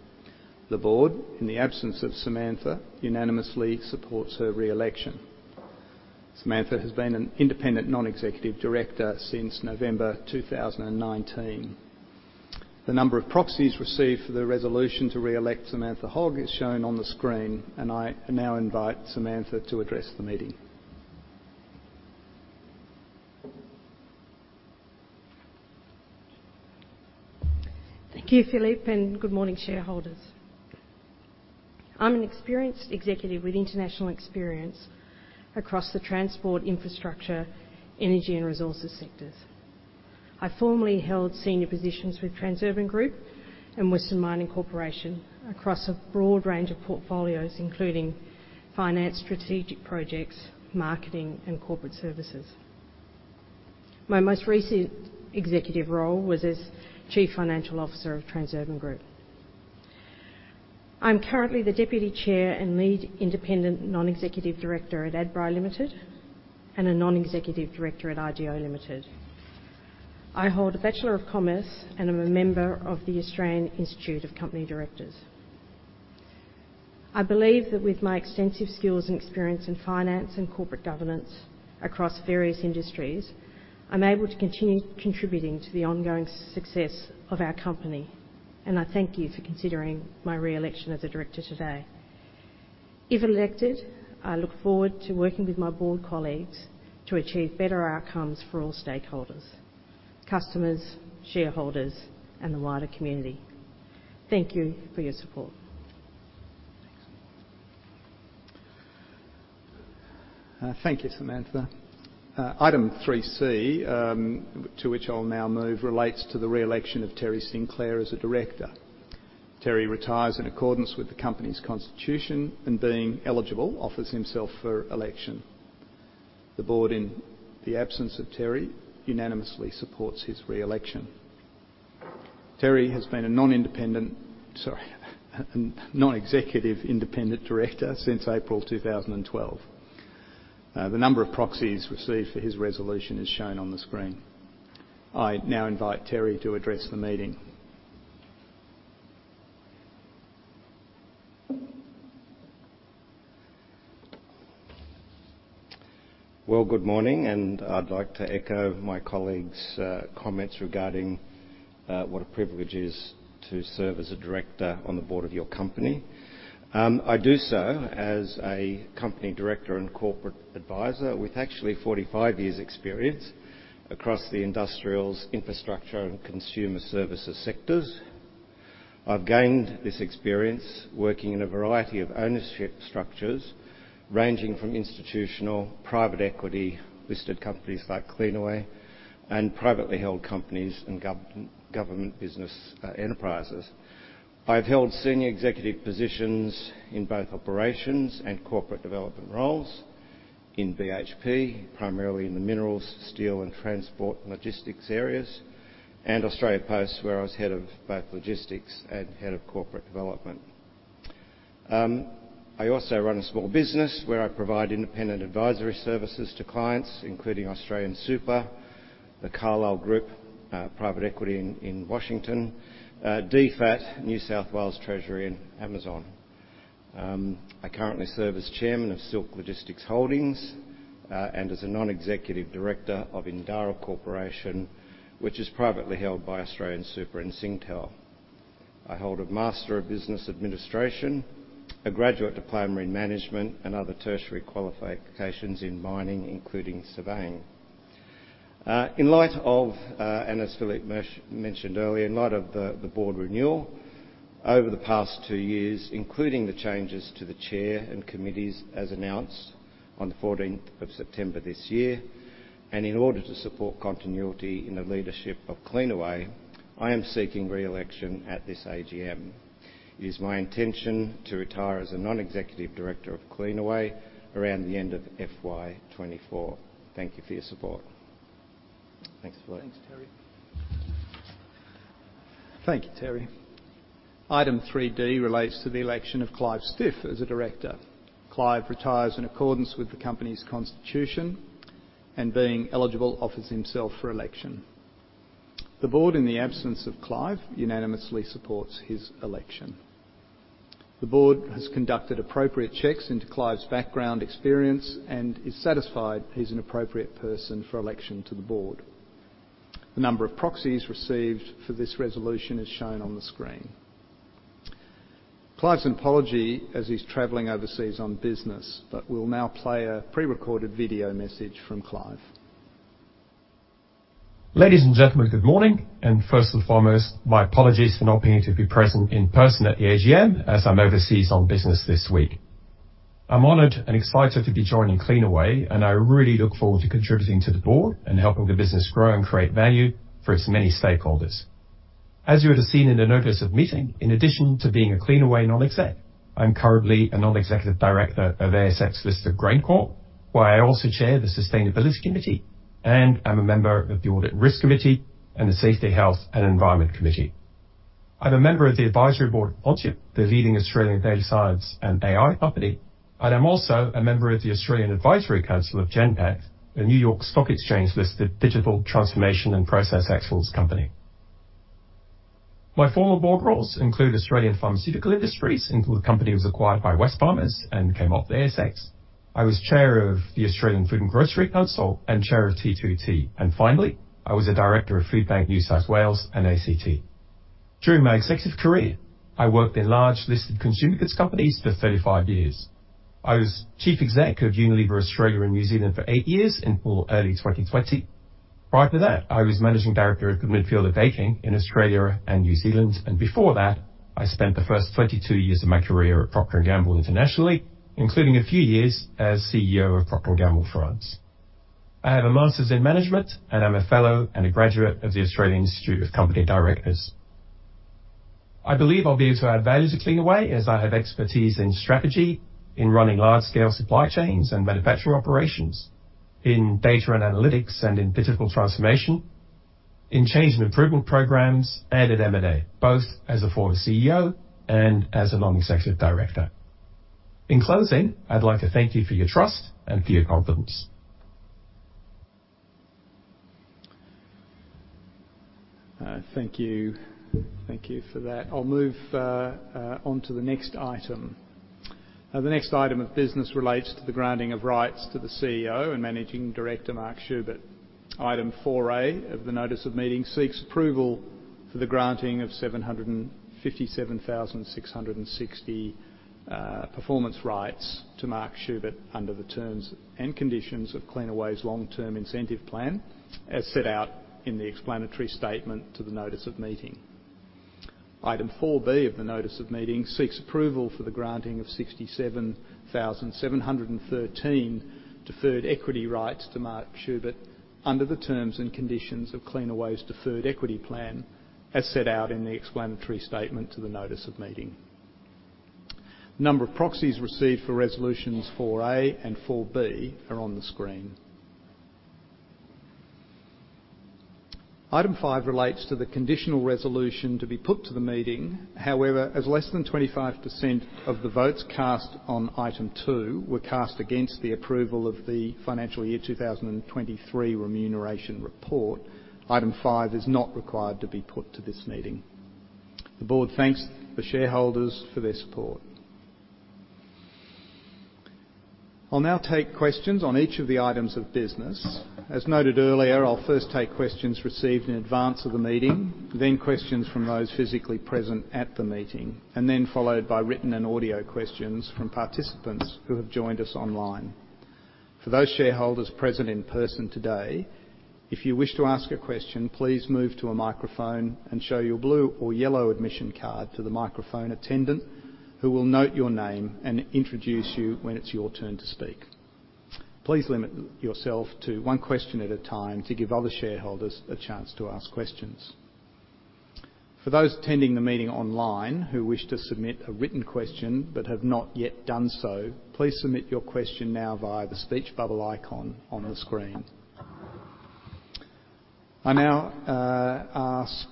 The board, in the absence of Samantha, unanimously supports her re-election. Samantha has been an Independent Non-Executive Director since November 2019. The number of proxies received for the resolution to re-elect Samantha Hogg is shown on the screen, and I now invite Samantha to address the meeting. Thank you, Philippe, and good morning, shareholders. I'm an experienced executive with international experience across the transport, infrastructure, energy, and resources sectors. I formerly held senior positions with Transurban Group and Western Mining Corporation across a broad range of portfolios, including finance, strategic projects, marketing, and corporate services. My most recent executive role was as Chief Financial Officer of Transurban Group. I'm currently the Deputy Chair and Lead Independent Non-Executive Director at Adbri Limited and a Non-Executive Director at IGO Limited. I hold a Bachelor of Commerce, and I'm a member of the Australian Institute of Company Directors. I believe that with my extensive skills and experience in finance and corporate governance across various industries, I'm able to continue contributing to the ongoing success of our company, and I thank you for considering my re-election as a director today. If elected, I look forward to working with my board colleagues to achieve better outcomes for all stakeholders, customers, shareholders, and the wider community. Thank you for your support. Thank you, Samantha. Item 3C, to which I'll now move, relates to the re-election of Terry Sinclair as a director. Terry retires in accordance with the company's constitution, and being eligible, offers himself for election. The board, in the absence of Terry, unanimously supports his re-election. Terry has been a non-independent... Sorry, a non-executive independent director since April 2012. The number of proxies received for his resolution is shown on the screen. I now invite Terry to address the meeting. Well, good morning, and I'd like to echo my colleagues' comments regarding what a privilege it is to serve as a director on the board of your company. I do so as a company director and corporate advisor with actually 45 years' experience across the industrials, infrastructure, and consumer services sectors. I've gained this experience working in a variety of ownership structures, ranging from institutional, private equity, listed companies like Cleanaway, and privately held companies and government business enterprises. I've held senior executive positions in both operations and corporate development roles in BHP, primarily in the minerals, steel, and transport logistics areas, and Australia Post, where I was head of both logistics and head of corporate development. I also run a small business where I provide independent advisory services to clients, including AustralianSuper, the Carlyle Group, private equity in Washington, D.C., DFAT, New South Wales Treasury, and Amazon. I currently serve as Chairman of Silk Logistics Holdings, and as a non-executive director of Indara Corporation, which is privately held by AustralianSuper and Singtel. I hold a Master of Business Administration, a Graduate Diploma in Management, and other tertiary qualifications in mining, including surveying. In light of, and as Philippe mentioned earlier, in light of the board renewal over the past two years, including the changes to the Chair and committees as announced on the 14th of September this year, and in order to support continuity in the leadership of Cleanaway, I am seeking re-election at this AGM. It is my intention to retire as a non-executive director of Cleanaway around the end of FY 2024. Thank you for your support. Thanks, Philippe. Thanks, Terry. Thank you, Terry. Item 3D relates to the election of Clive Stiff as a director. Clive retires in accordance with the company's constitution and, being eligible, offers himself for election. The board, in the absence of Clive, unanimously supports his election.... The board has conducted appropriate checks into Clive's background experience and is satisfied he's an appropriate person for election to the board. The number of proxies received for this resolution is shown on the screen. Clive's apology, as he's traveling overseas on business, but we'll now play a pre-recorded video message from Clive. Ladies and gentlemen, good morning, and first and foremost, my apologies for not being able to be present in person at the AGM, as I'm overseas on business this week. I'm honored and excited to be joining Cleanaway, and I really look forward to contributing to the board and helping the business grow and create value for its many stakeholders. As you would have seen in the notice of meeting, in addition to being a Cleanaway non-exec, I'm currently a non-executive director of ASX-listed GrainCorp, where I also Chair the Sustainability Committee, and I'm a member of the Audit Risk Committee and the Safety, Health, and Environment Committee. I'm a member of the advisory board of Quantip, the leading Australian data science and AI company, and I'm also a member of the Australian Advisory Council of Genpact, a New York Stock Exchange-listed digital transformation and process excellence company. My former board roles include Australian Pharmaceutical Industries, until the company was acquired by Wesfarmers and came off the ASX. I was Chair of the Australian Food and Grocery Council, and Chair of T2 Tea. And finally, I was a director of Foodbank New South Wales and ACT. During my executive career, I worked in large listed consumer goods companies for 35 years. I was Chief Exec of Unilever Australia and New Zealand for eight years until early 2020. Prior to that, I was Managing Director of Goodman Fielder Baking in Australia and New Zealand, and before that, I spent the first 22 years of my career at Procter & Gamble internationally, including a few years as CEO of Procter & Gamble France. I have a Master's in Management, and I'm a fellow and a graduate of the Australian Institute of Company Directors. I believe I'll be able to add value to Cleanaway as I have expertise in strategy, in running large-scale supply chains and manufacturing operations, in data and analytics, and in digital transformation, in change and improvement programs, and in M&A, both as a former CEO and as a non-executive director. In closing, I'd like to thank you for your trust and for your confidence. Thank you. Thank you for that. I'll move onto the next item. The next item of business relates to the granting of rights to the CEO and Managing Director, Mark Schubert. Item 4A of the notice of meeting seeks approval for the granting of 757,660 performance rights to Mark Schubert under the terms and conditions of Cleanaway's long-term incentive plan, as set out in the explanatory statement to the notice of meeting. Item 4B of the notice of meeting seeks approval for the granting of 67,713 deferred equity rights to Mark Schubert under the terms and conditions of Cleanaway's Deferred Equity Plan, as set out in the explanatory statement to the notice of meeting. The number of proxies received for Resolutions 4A and 4B are on the screen. Item 5 relates to the conditional resolution to be put to the meeting. However, as less than 25% of the votes cast on Item 2 were cast against the approval of the financial year 2023 remuneration report, Item 5 is not required to be put to this meeting. The board thanks the shareholders for their support. I'll now take questions on each of the items of business. As noted earlier, I'll first take questions received in advance of the meeting, then questions from those physically present at the meeting, and then followed by written and audio questions from participants who have joined us online. For those shareholders present in person today, if you wish to ask a question, please move to a microphone and show your blue or yellow admission card to the microphone attendant, who will note your name and introduce you when it's your turn to speak. Please limit yourself to one question at a time to give other shareholders a chance to ask questions. For those attending the meeting online who wish to submit a written question but have not yet done so, please submit your question now via the speech bubble icon on the screen. I now ask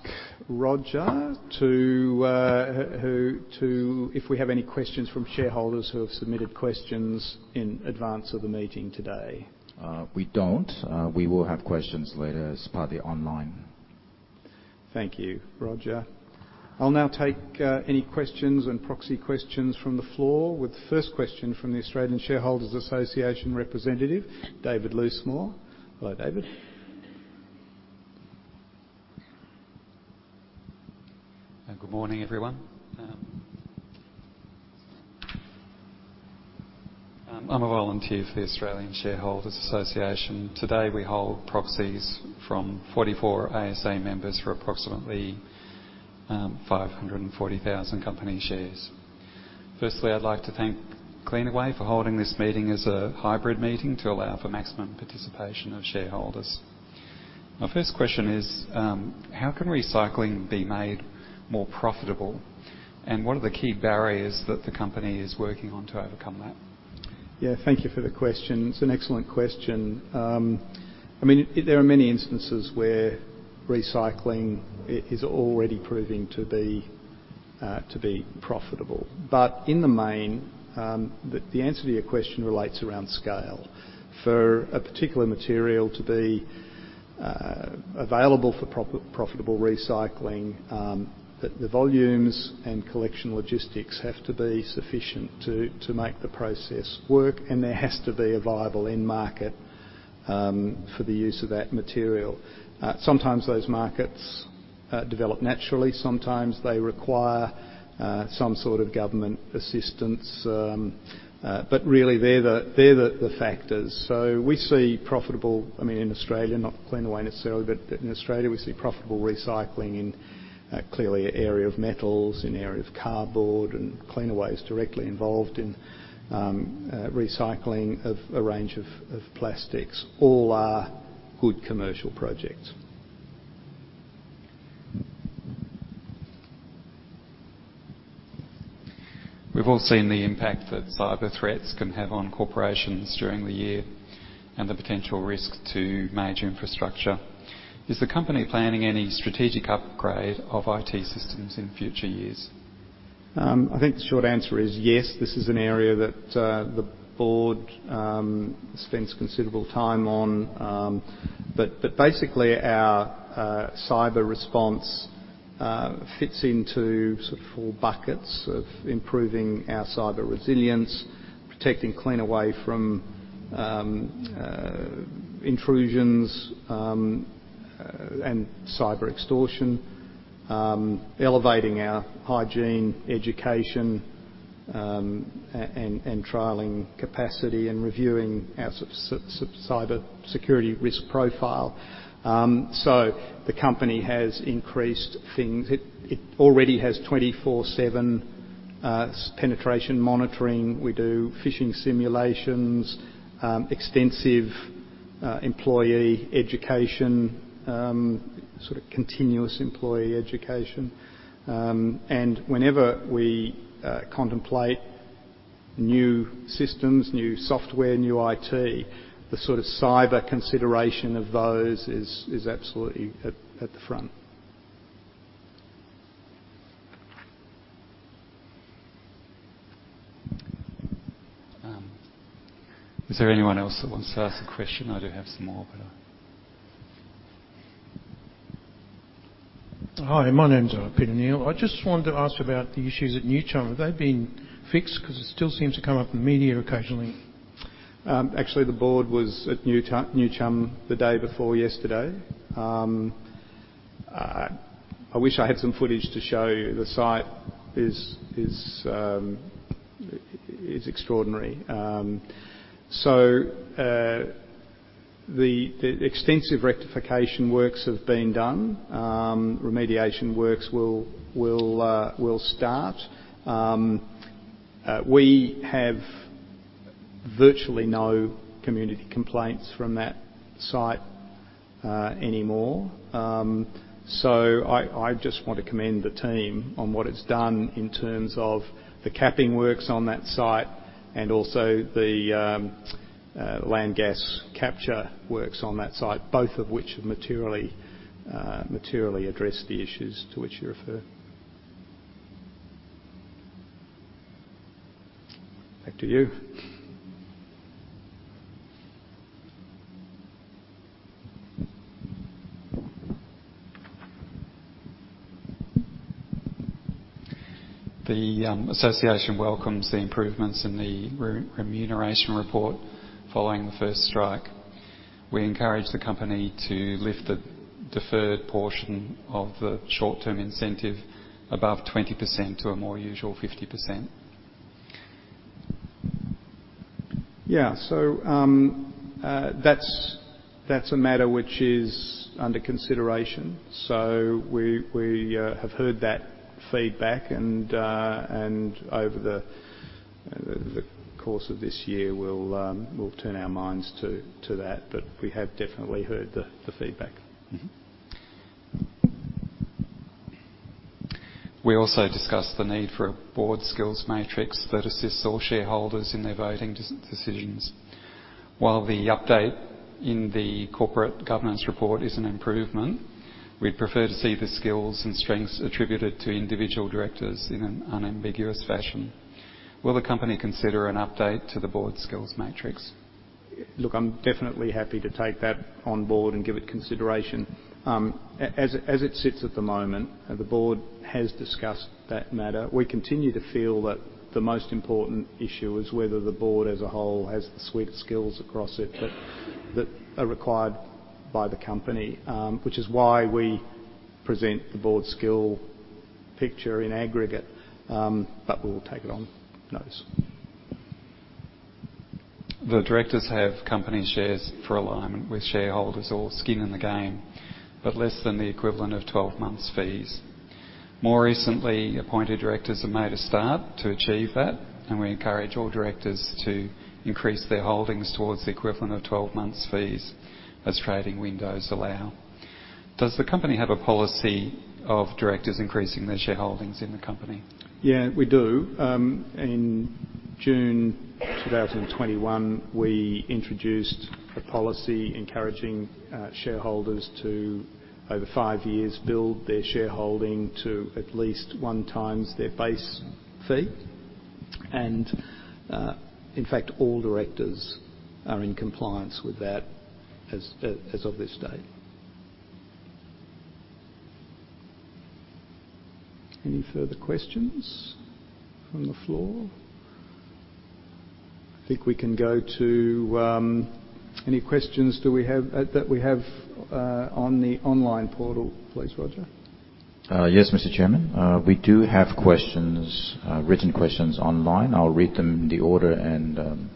Roger to... If we have any questions from shareholders who have submitted questions in advance of the meeting today. We don't. We will have questions later as partly online. Thank you, Roger. I'll now take any questions and proxy questions from the floor, with the first question from the Australian Shareholders Association representative, David Loosemore. Hello, David. Good morning, everyone. I'm a volunteer for the Australian Shareholders Association. Today, we hold proxies from 44 ASA members for approximately 540,000 company shares. Firstly, I'd like to thank Cleanaway for holding this meeting as a hybrid meeting to allow for maximum participation of shareholders. My first question is, how can recycling be made more profitable? And what are the key barriers that the company is working on to overcome that? Yeah, thank you for the question. It's an excellent question. I mean, there are many instances where recycling is already proving to be to be profitable. But in the main, the answer to your question relates around scale. For a particular material to be available for profitable recycling, that the volumes and collection logistics have to be sufficient to make the process work, and there has to be a viable end market for the use of that material. Sometimes those markets develop naturally, sometimes they require some sort of government assistance. But really, they're the factors. So we see profitable—I mean, in Australia, not Cleanaway necessarily, but in Australia, we see profitable recycling in clearly an area of metals, in an area of cardboard, and Cleanaway is directly involved in recycling of a range of plastics. All are good commercial projects. We've all seen the impact that cyber threats can have on corporations during the year and the potential risk to major infrastructure. Is the company planning any strategic upgrade of IT systems in future years? I think the short answer is yes. This is an area that the board spends considerable time on. But basically, our cyber response fits into sort of four buckets of improving our cyber resilience, protecting Cleanaway from intrusions and cyber extortion, elevating our hygiene education, and trialing capacity and reviewing our cyber security risk profile. So the company has increased things. It already has 24/7 penetration monitoring. We do phishing simulations, extensive employee education, sort of continuous employee education. And whenever we contemplate new systems, new software, new IT, the sort of cyber consideration of those is absolutely at the front. Is there anyone else that wants to ask a question? I do have some more, but... Hi, my name is, Peter Neal. I just wanted to ask about the issues at New Chum. Have they been fixed? Because it still seems to come up in the media occasionally. Actually, the board was at New Chum the day before yesterday. I wish I had some footage to show you. The site is extraordinary. So, the extensive rectification works have been done. Remediation works will start. We have virtually no community complaints from that site anymore. So I just want to commend the team on what it's done in terms of the capping works on that site and also the landfill gas capture works on that site, both of which have materially addressed the issues to which you refer. Back to you. The association welcomes the improvements in the remuneration report following the first strike. We encourage the company to lift the deferred portion of the short-term incentive above 20% to a more usual 50%. Yeah, so, that's a matter which is under consideration. So we have heard that feedback, and over the course of this year, we'll turn our minds to that, but we have definitely heard the feedback. Mm-hmm. We also discussed the need for a board skills matrix that assists all shareholders in their voting decisions. While the update in the corporate governance report is an improvement, we'd prefer to see the skills and strengths attributed to individual directors in an unambiguous fashion. Will the company consider an update to the board's skills matrix? Look, I'm definitely happy to take that on board and give it consideration. As it sits at the moment, the board has discussed that matter. We continue to feel that the most important issue is whether the board, as a whole, has the suite of skills across it that are required by the company, which is why we present the board skill picture in aggregate. But we'll take it on those. The directors have company shares for alignment with shareholders or skin in the game, but less than the equivalent of 12 months' fees. More recently, appointed directors have made a start to achieve that, and we encourage all directors to increase their holdings towards the equivalent of 12 months' fees, as trading windows allow. Does the company have a policy of directors increasing their shareholdings in the company? Yeah, we do. In June 2021, we introduced a policy encouraging shareholders to, over five years, build their shareholding to at least one times their base fee. In fact, all directors are in compliance with that as of this date. Any further questions from the floor? I think we can go to any questions we have on the online portal, please, Roger? Yes, Mr. Chairman. We do have questions, written questions online. I'll read them in the order and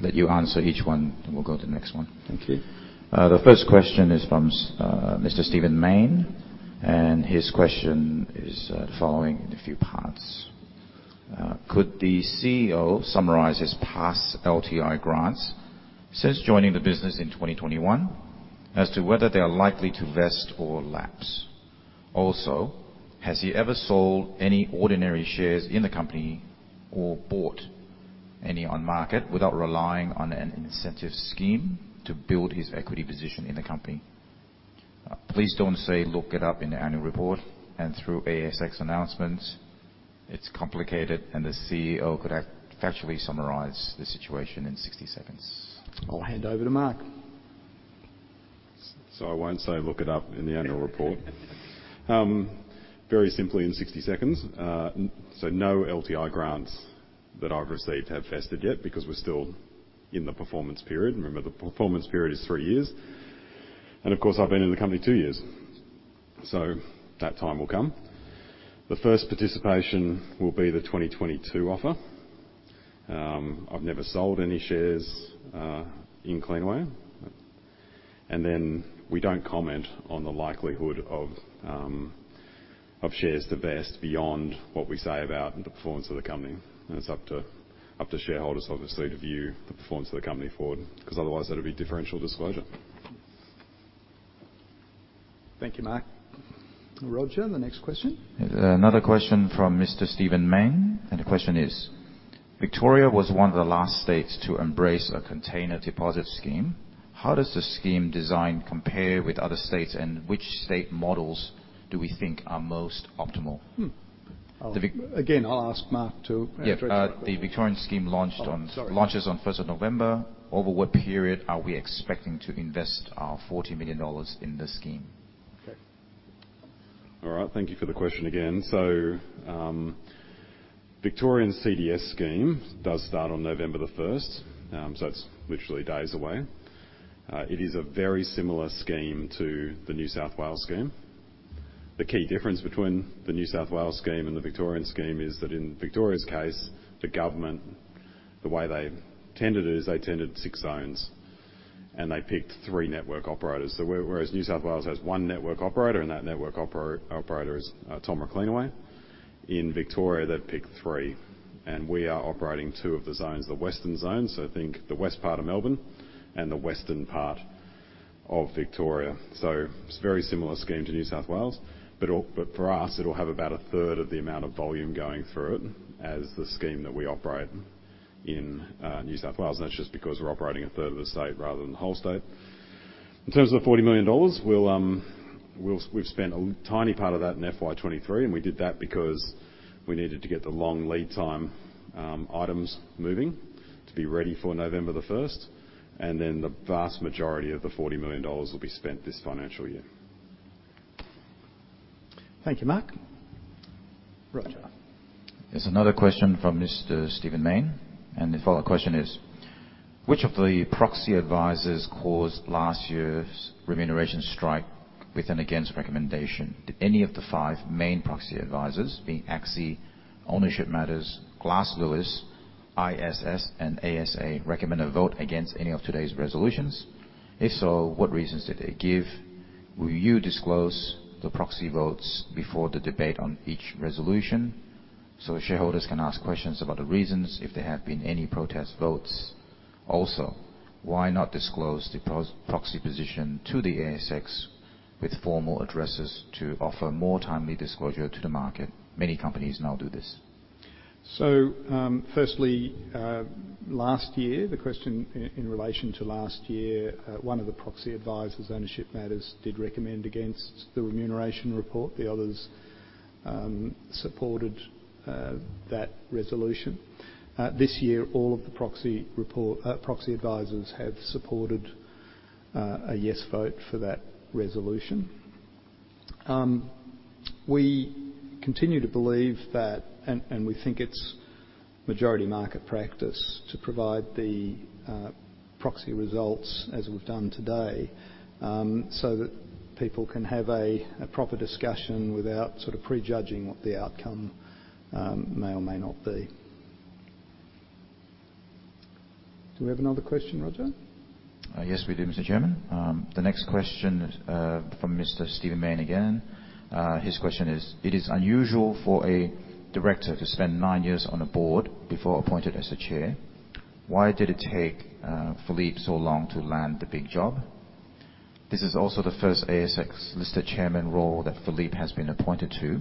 let you answer each one, and we'll go to the next one. Thank you. The first question is from Mr. Stephen Mayne, and his question is the following in a few parts. Could the CEO summarize his past LTI grants since joining the business in 2021 as to whether they are likely to vest or lapse? Also, has he ever sold any ordinary shares in the company or bought any on market without relying on an incentive scheme to build his equity position in the company? Please don't say, "Look it up in the annual report," and through ASX announcements. It's complicated, and the CEO could actually factually summarize the situation in 60 seconds. I'll hand over to Mark. I won't say look it up in the annual report. Very simply, in 60 seconds, so no LTI grants that I've received have vested yet because we're still in the performance period. Remember, the performance period is three years, and of course, I've been in the company two years, so that time will come. The first participation will be the 2022 offer. I've never sold any shares in Cleanaway, and then we don't comment on the likelihood of of shares to vest beyond what we say about the performance of the company. And it's up to up to shareholders, obviously, to view the performance of the company forward, 'cause otherwise that'll be differential disclosure. Thank you, Mark. Roger, the next question. Another question from Mr. Stephen Mayne, and the question is: Victoria was one of the last states to embrace a container deposit scheme. How does the scheme design compare with other states, and which state models do we think are most optimal? Hmm. The vi- Again, I'll ask Mark to- Yeah. Uh. The Victorian scheme launched on- Oh, sorry. Launches on first of November. Over what period are we expecting to invest 40 million dollars in this scheme? Okay. All right. Thank you for the question again. So, Victorian CDS scheme does start on November the first, so it's literally days away. It is a very similar scheme to the New South Wales scheme. The key difference between the New South Wales scheme and the Victorian scheme is that in Victoria's case, the government, the way they tendered it is they tendered six zones, and they picked three network operators. Whereas New South Wales has one network operator, and that network operator is, TOMRA Cleanaway. In Victoria, they've picked three, and we are operating two of the zones, the western zones, so I think the west part of Melbourne and the western part of Victoria. So it's a very similar scheme to New South Wales, but for us, it'll have about a third of the amount of volume going through it as the scheme that we operate in, New South Wales, and that's just because we're operating a third of the state rather than the whole state. In terms of the 40 million dollars, we'll, we'll, we've spent a tiny part of that in FY 2023, and we did that because we needed to get the long lead time, items moving to be ready for November the first, and then the vast majority of the 40 million dollars will be spent this financial year. Thank you, Mark. Roger. There's another question from Mr. Stephen Mayne, and the follow-up question is: Which of the proxy advisors caused last year's remuneration strike with an against recommendation? Did any of the five main proxy advisors, being ACSI, Ownership Matters, Glass Lewis, ISS, and ASA, recommend a vote against any of today's resolutions? If so, what reasons did they give? Will you disclose the proxy votes before the debate on each resolution so shareholders can ask questions about the reasons if there have been any protest votes? Also, why not disclose the proxy position to the ASX with formal addresses to offer more timely disclosure to the market? Many companies now do this. So, firstly, last year, the question in relation to last year, one of the proxy advisors, Ownership Matters, did recommend against the remuneration report. The others supported that resolution. This year, all of the proxy report, proxy advisors have supported a yes vote for that resolution. We continue to believe that, and we think it's majority market practice, to provide the proxy results as we've done today, so that people can have a proper discussion without sort of prejudging what the outcome may or may not be. Do we have another question, Roger? Yes, we do, Mr. Chairman. The next question from Mr. Stephen Mayne again. His question is: It is unusual for a director to spend nine years on a board before appointed as a chair. Why did it take Philippe so long to land the big job? This is also the first ASX-listed Chairman role that Philippe has been appointed to.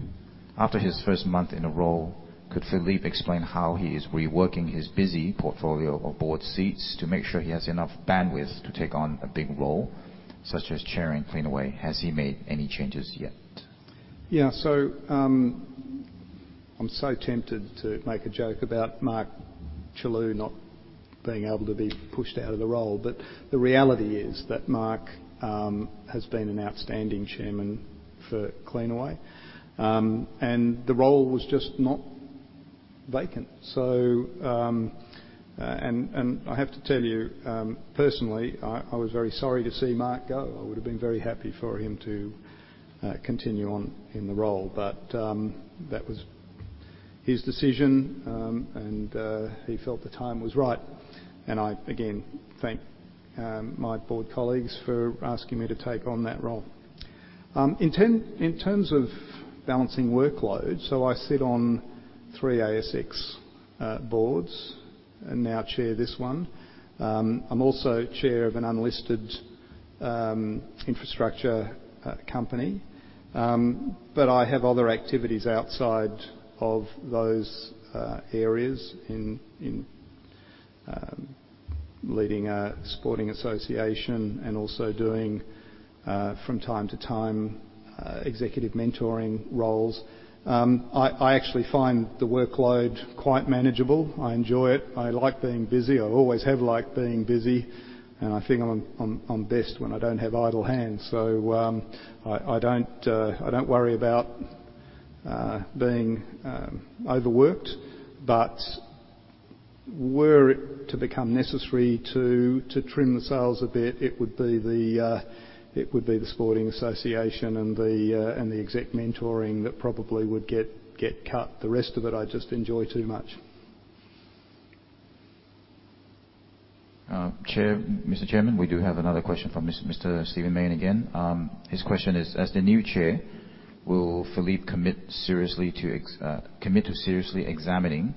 After his first month in the role, could Philippe explain how he is reworking his busy portfolio of board seats to make sure he has enough bandwidth to take on a big role, such as chairing Cleanaway? Has he made any changes yet?... Yeah, so, I'm so tempted to make a joke about Mark Chellew not being able to be pushed out of the role, but the reality is that Mark has been an outstanding Chairman for Cleanaway. And the role was just not vacant. So, and I have to tell you, personally, I was very sorry to see Mark go. I would have been very happy for him to continue on in the role, but that was his decision. And he felt the time was right. And I, again, thank my board colleagues for asking me to take on that role. In terms of balancing workloads, so I sit on three ASX boards and now chair this one. I'm also Chair of an unlisted infrastructure company. But I have other activities outside of those areas in leading a sporting association and also doing from time to time executive mentoring roles. I actually find the workload quite manageable. I enjoy it. I like being busy. I always have liked being busy, and I think I'm best when I don't have idle hands. So, I don't worry about being overworked. But were it to become necessary to trim the sails a bit, it would be the sporting association and the exec mentoring that probably would get cut. The rest of it, I just enjoy too much. Chair, Mr. Chairman, we do have another question from Mr. Stephen Mayne again. His question is: As the new chair, will Philippe commit to seriously examining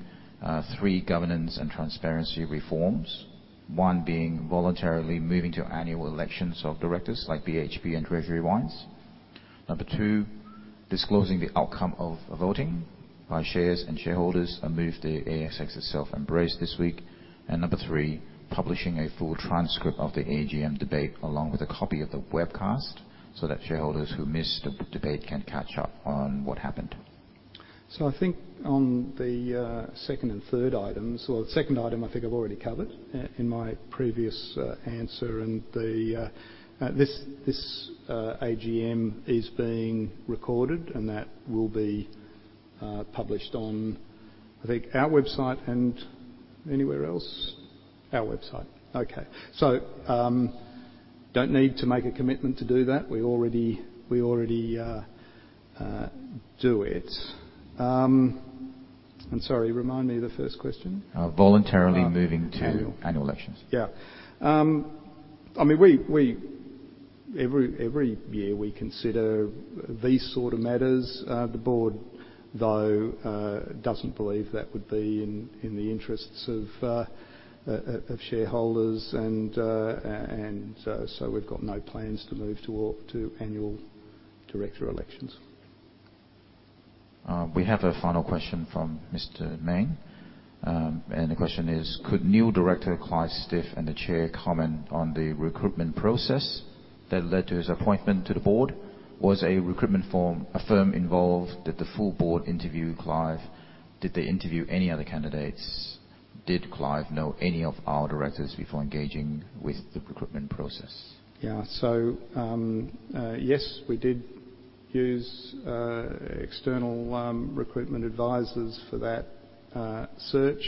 three governance and transparency reforms? One, being voluntarily moving to annual elections of directors like BHP and Treasury Wines. Number two, disclosing the outcome of voting by shares and shareholders, a move the ASX itself embraced this week. And number three, publishing a full transcript of the AGM debate, along with a copy of the webcast, so that shareholders who missed the debate can catch up on what happened. So I think on the second and third items, or the second item, I think I've already covered in my previous answer, and this AGM is being recorded, and that will be published on, I think, our website and anywhere else? Our website. Okay. So, don't need to make a commitment to do that. We already do it. I'm sorry, remind me of the first question. Voluntarily moving to annual elections. Yeah. I mean, every year, we consider these sort of matters. The board, though, doesn't believe that would be in the interests of shareholders, and so we've got no plans to move to annual director elections. We have a final question from Mr. Main. The question is: Could new director, Clive Stiff, and the Chair comment on the recruitment process that led to his appointment to the board? Was a recruitment firm involved? Did the full board interview Clive? Did they interview any other candidates? Did Clive know any of our directors before engaging with the recruitment process? Yeah. So, yes, we did use external recruitment advisors for that search.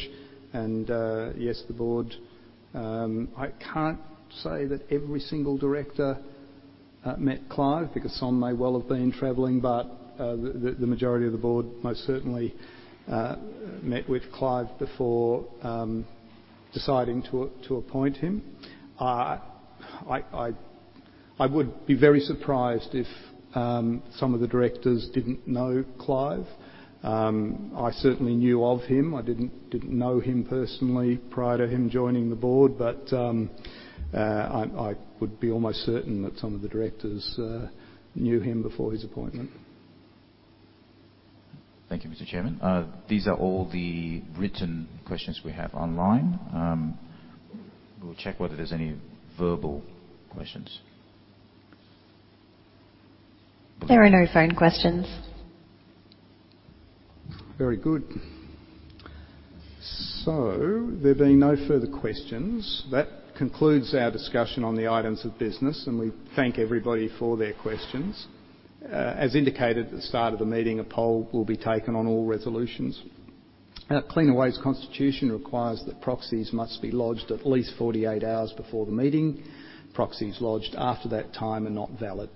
And yes, the board, I can't say that every single director met Clive, because some may well have been traveling, but the majority of the board most certainly met with Clive before deciding to appoint him. I would be very surprised if some of the directors didn't know Clive. I certainly knew of him. I didn't know him personally prior to him joining the board, but I would be almost certain that some of the directors knew him before his appointment. Thank you, Mr. Chairman. These are all the written questions we have online. We'll check whether there's any verbal questions. There are no phone questions. Very good. So there being no further questions, that concludes our discussion on the items of business, and we thank everybody for their questions. As indicated at the start of the meeting, a poll will be taken on all resolutions. Cleanaway's constitution requires that proxies must be lodged at least 48 hours before the meeting. Proxies lodged after that time are not valid.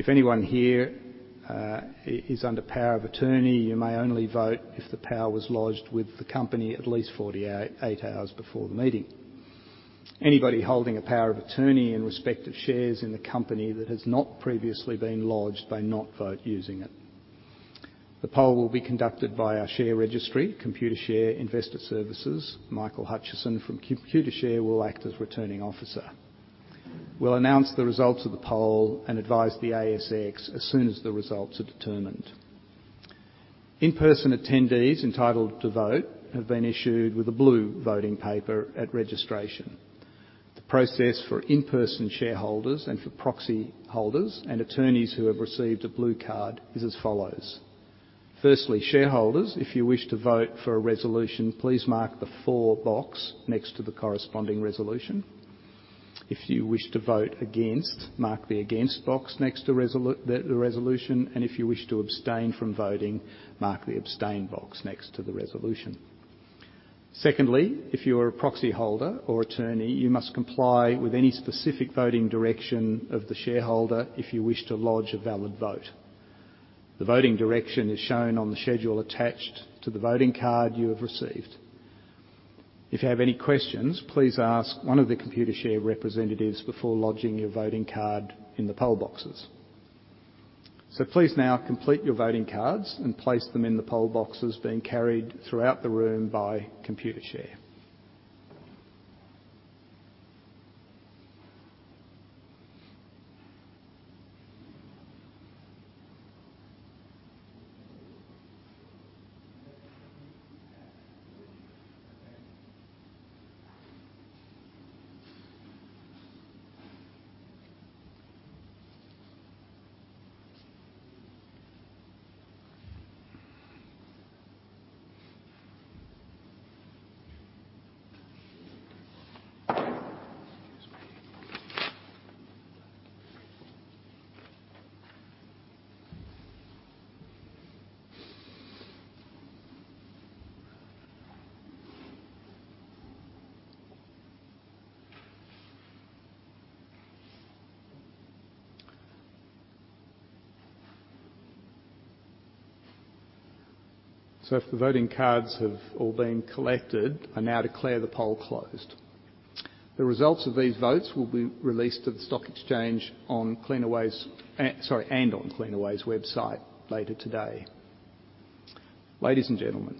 If anyone here is under power of attorney, you may only vote if the power was lodged with the company at least 48 hours before the meeting. Anybody holding a power of attorney in respect of shares in the company that has not previously been lodged may not vote using it. The poll will be conducted by our share registry, Computershare Investor Services. Michael Hutchison from Computershare will act as Returning Officer. We'll announce the results of the poll and advise the ASX as soon as the results are determined. In-person attendees entitled to vote have been issued with a blue voting paper at registration. The process for in-person shareholders and for proxy holders and attorneys who have received a blue card is as follows: firstly, shareholders, if you wish to vote for a resolution, please mark the For box next to the corresponding resolution. If you wish to vote against, mark the Against box next to the resolution, and if you wish to abstain from voting, mark the Abstain box next to the resolution. Secondly, if you are a proxy holder or attorney, you must comply with any specific voting direction of the shareholder if you wish to lodge a valid vote. The voting direction is shown on the schedule attached to the voting card you have received. If you have any questions, please ask one of the Computershare representatives before lodging your voting card in the poll boxes. Please now complete your voting cards and place them in the poll boxes being carried throughout the room by Computershare. If the voting cards have all been collected, I now declare the poll closed. The results of these votes will be released to the stock exchange on Cleanaway's. Sorry, and on Cleanaway's website later today. Ladies and gentlemen,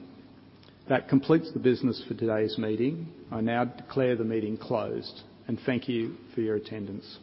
that completes the business for today's meeting. I now declare the meeting closed, and thank you for your attendance.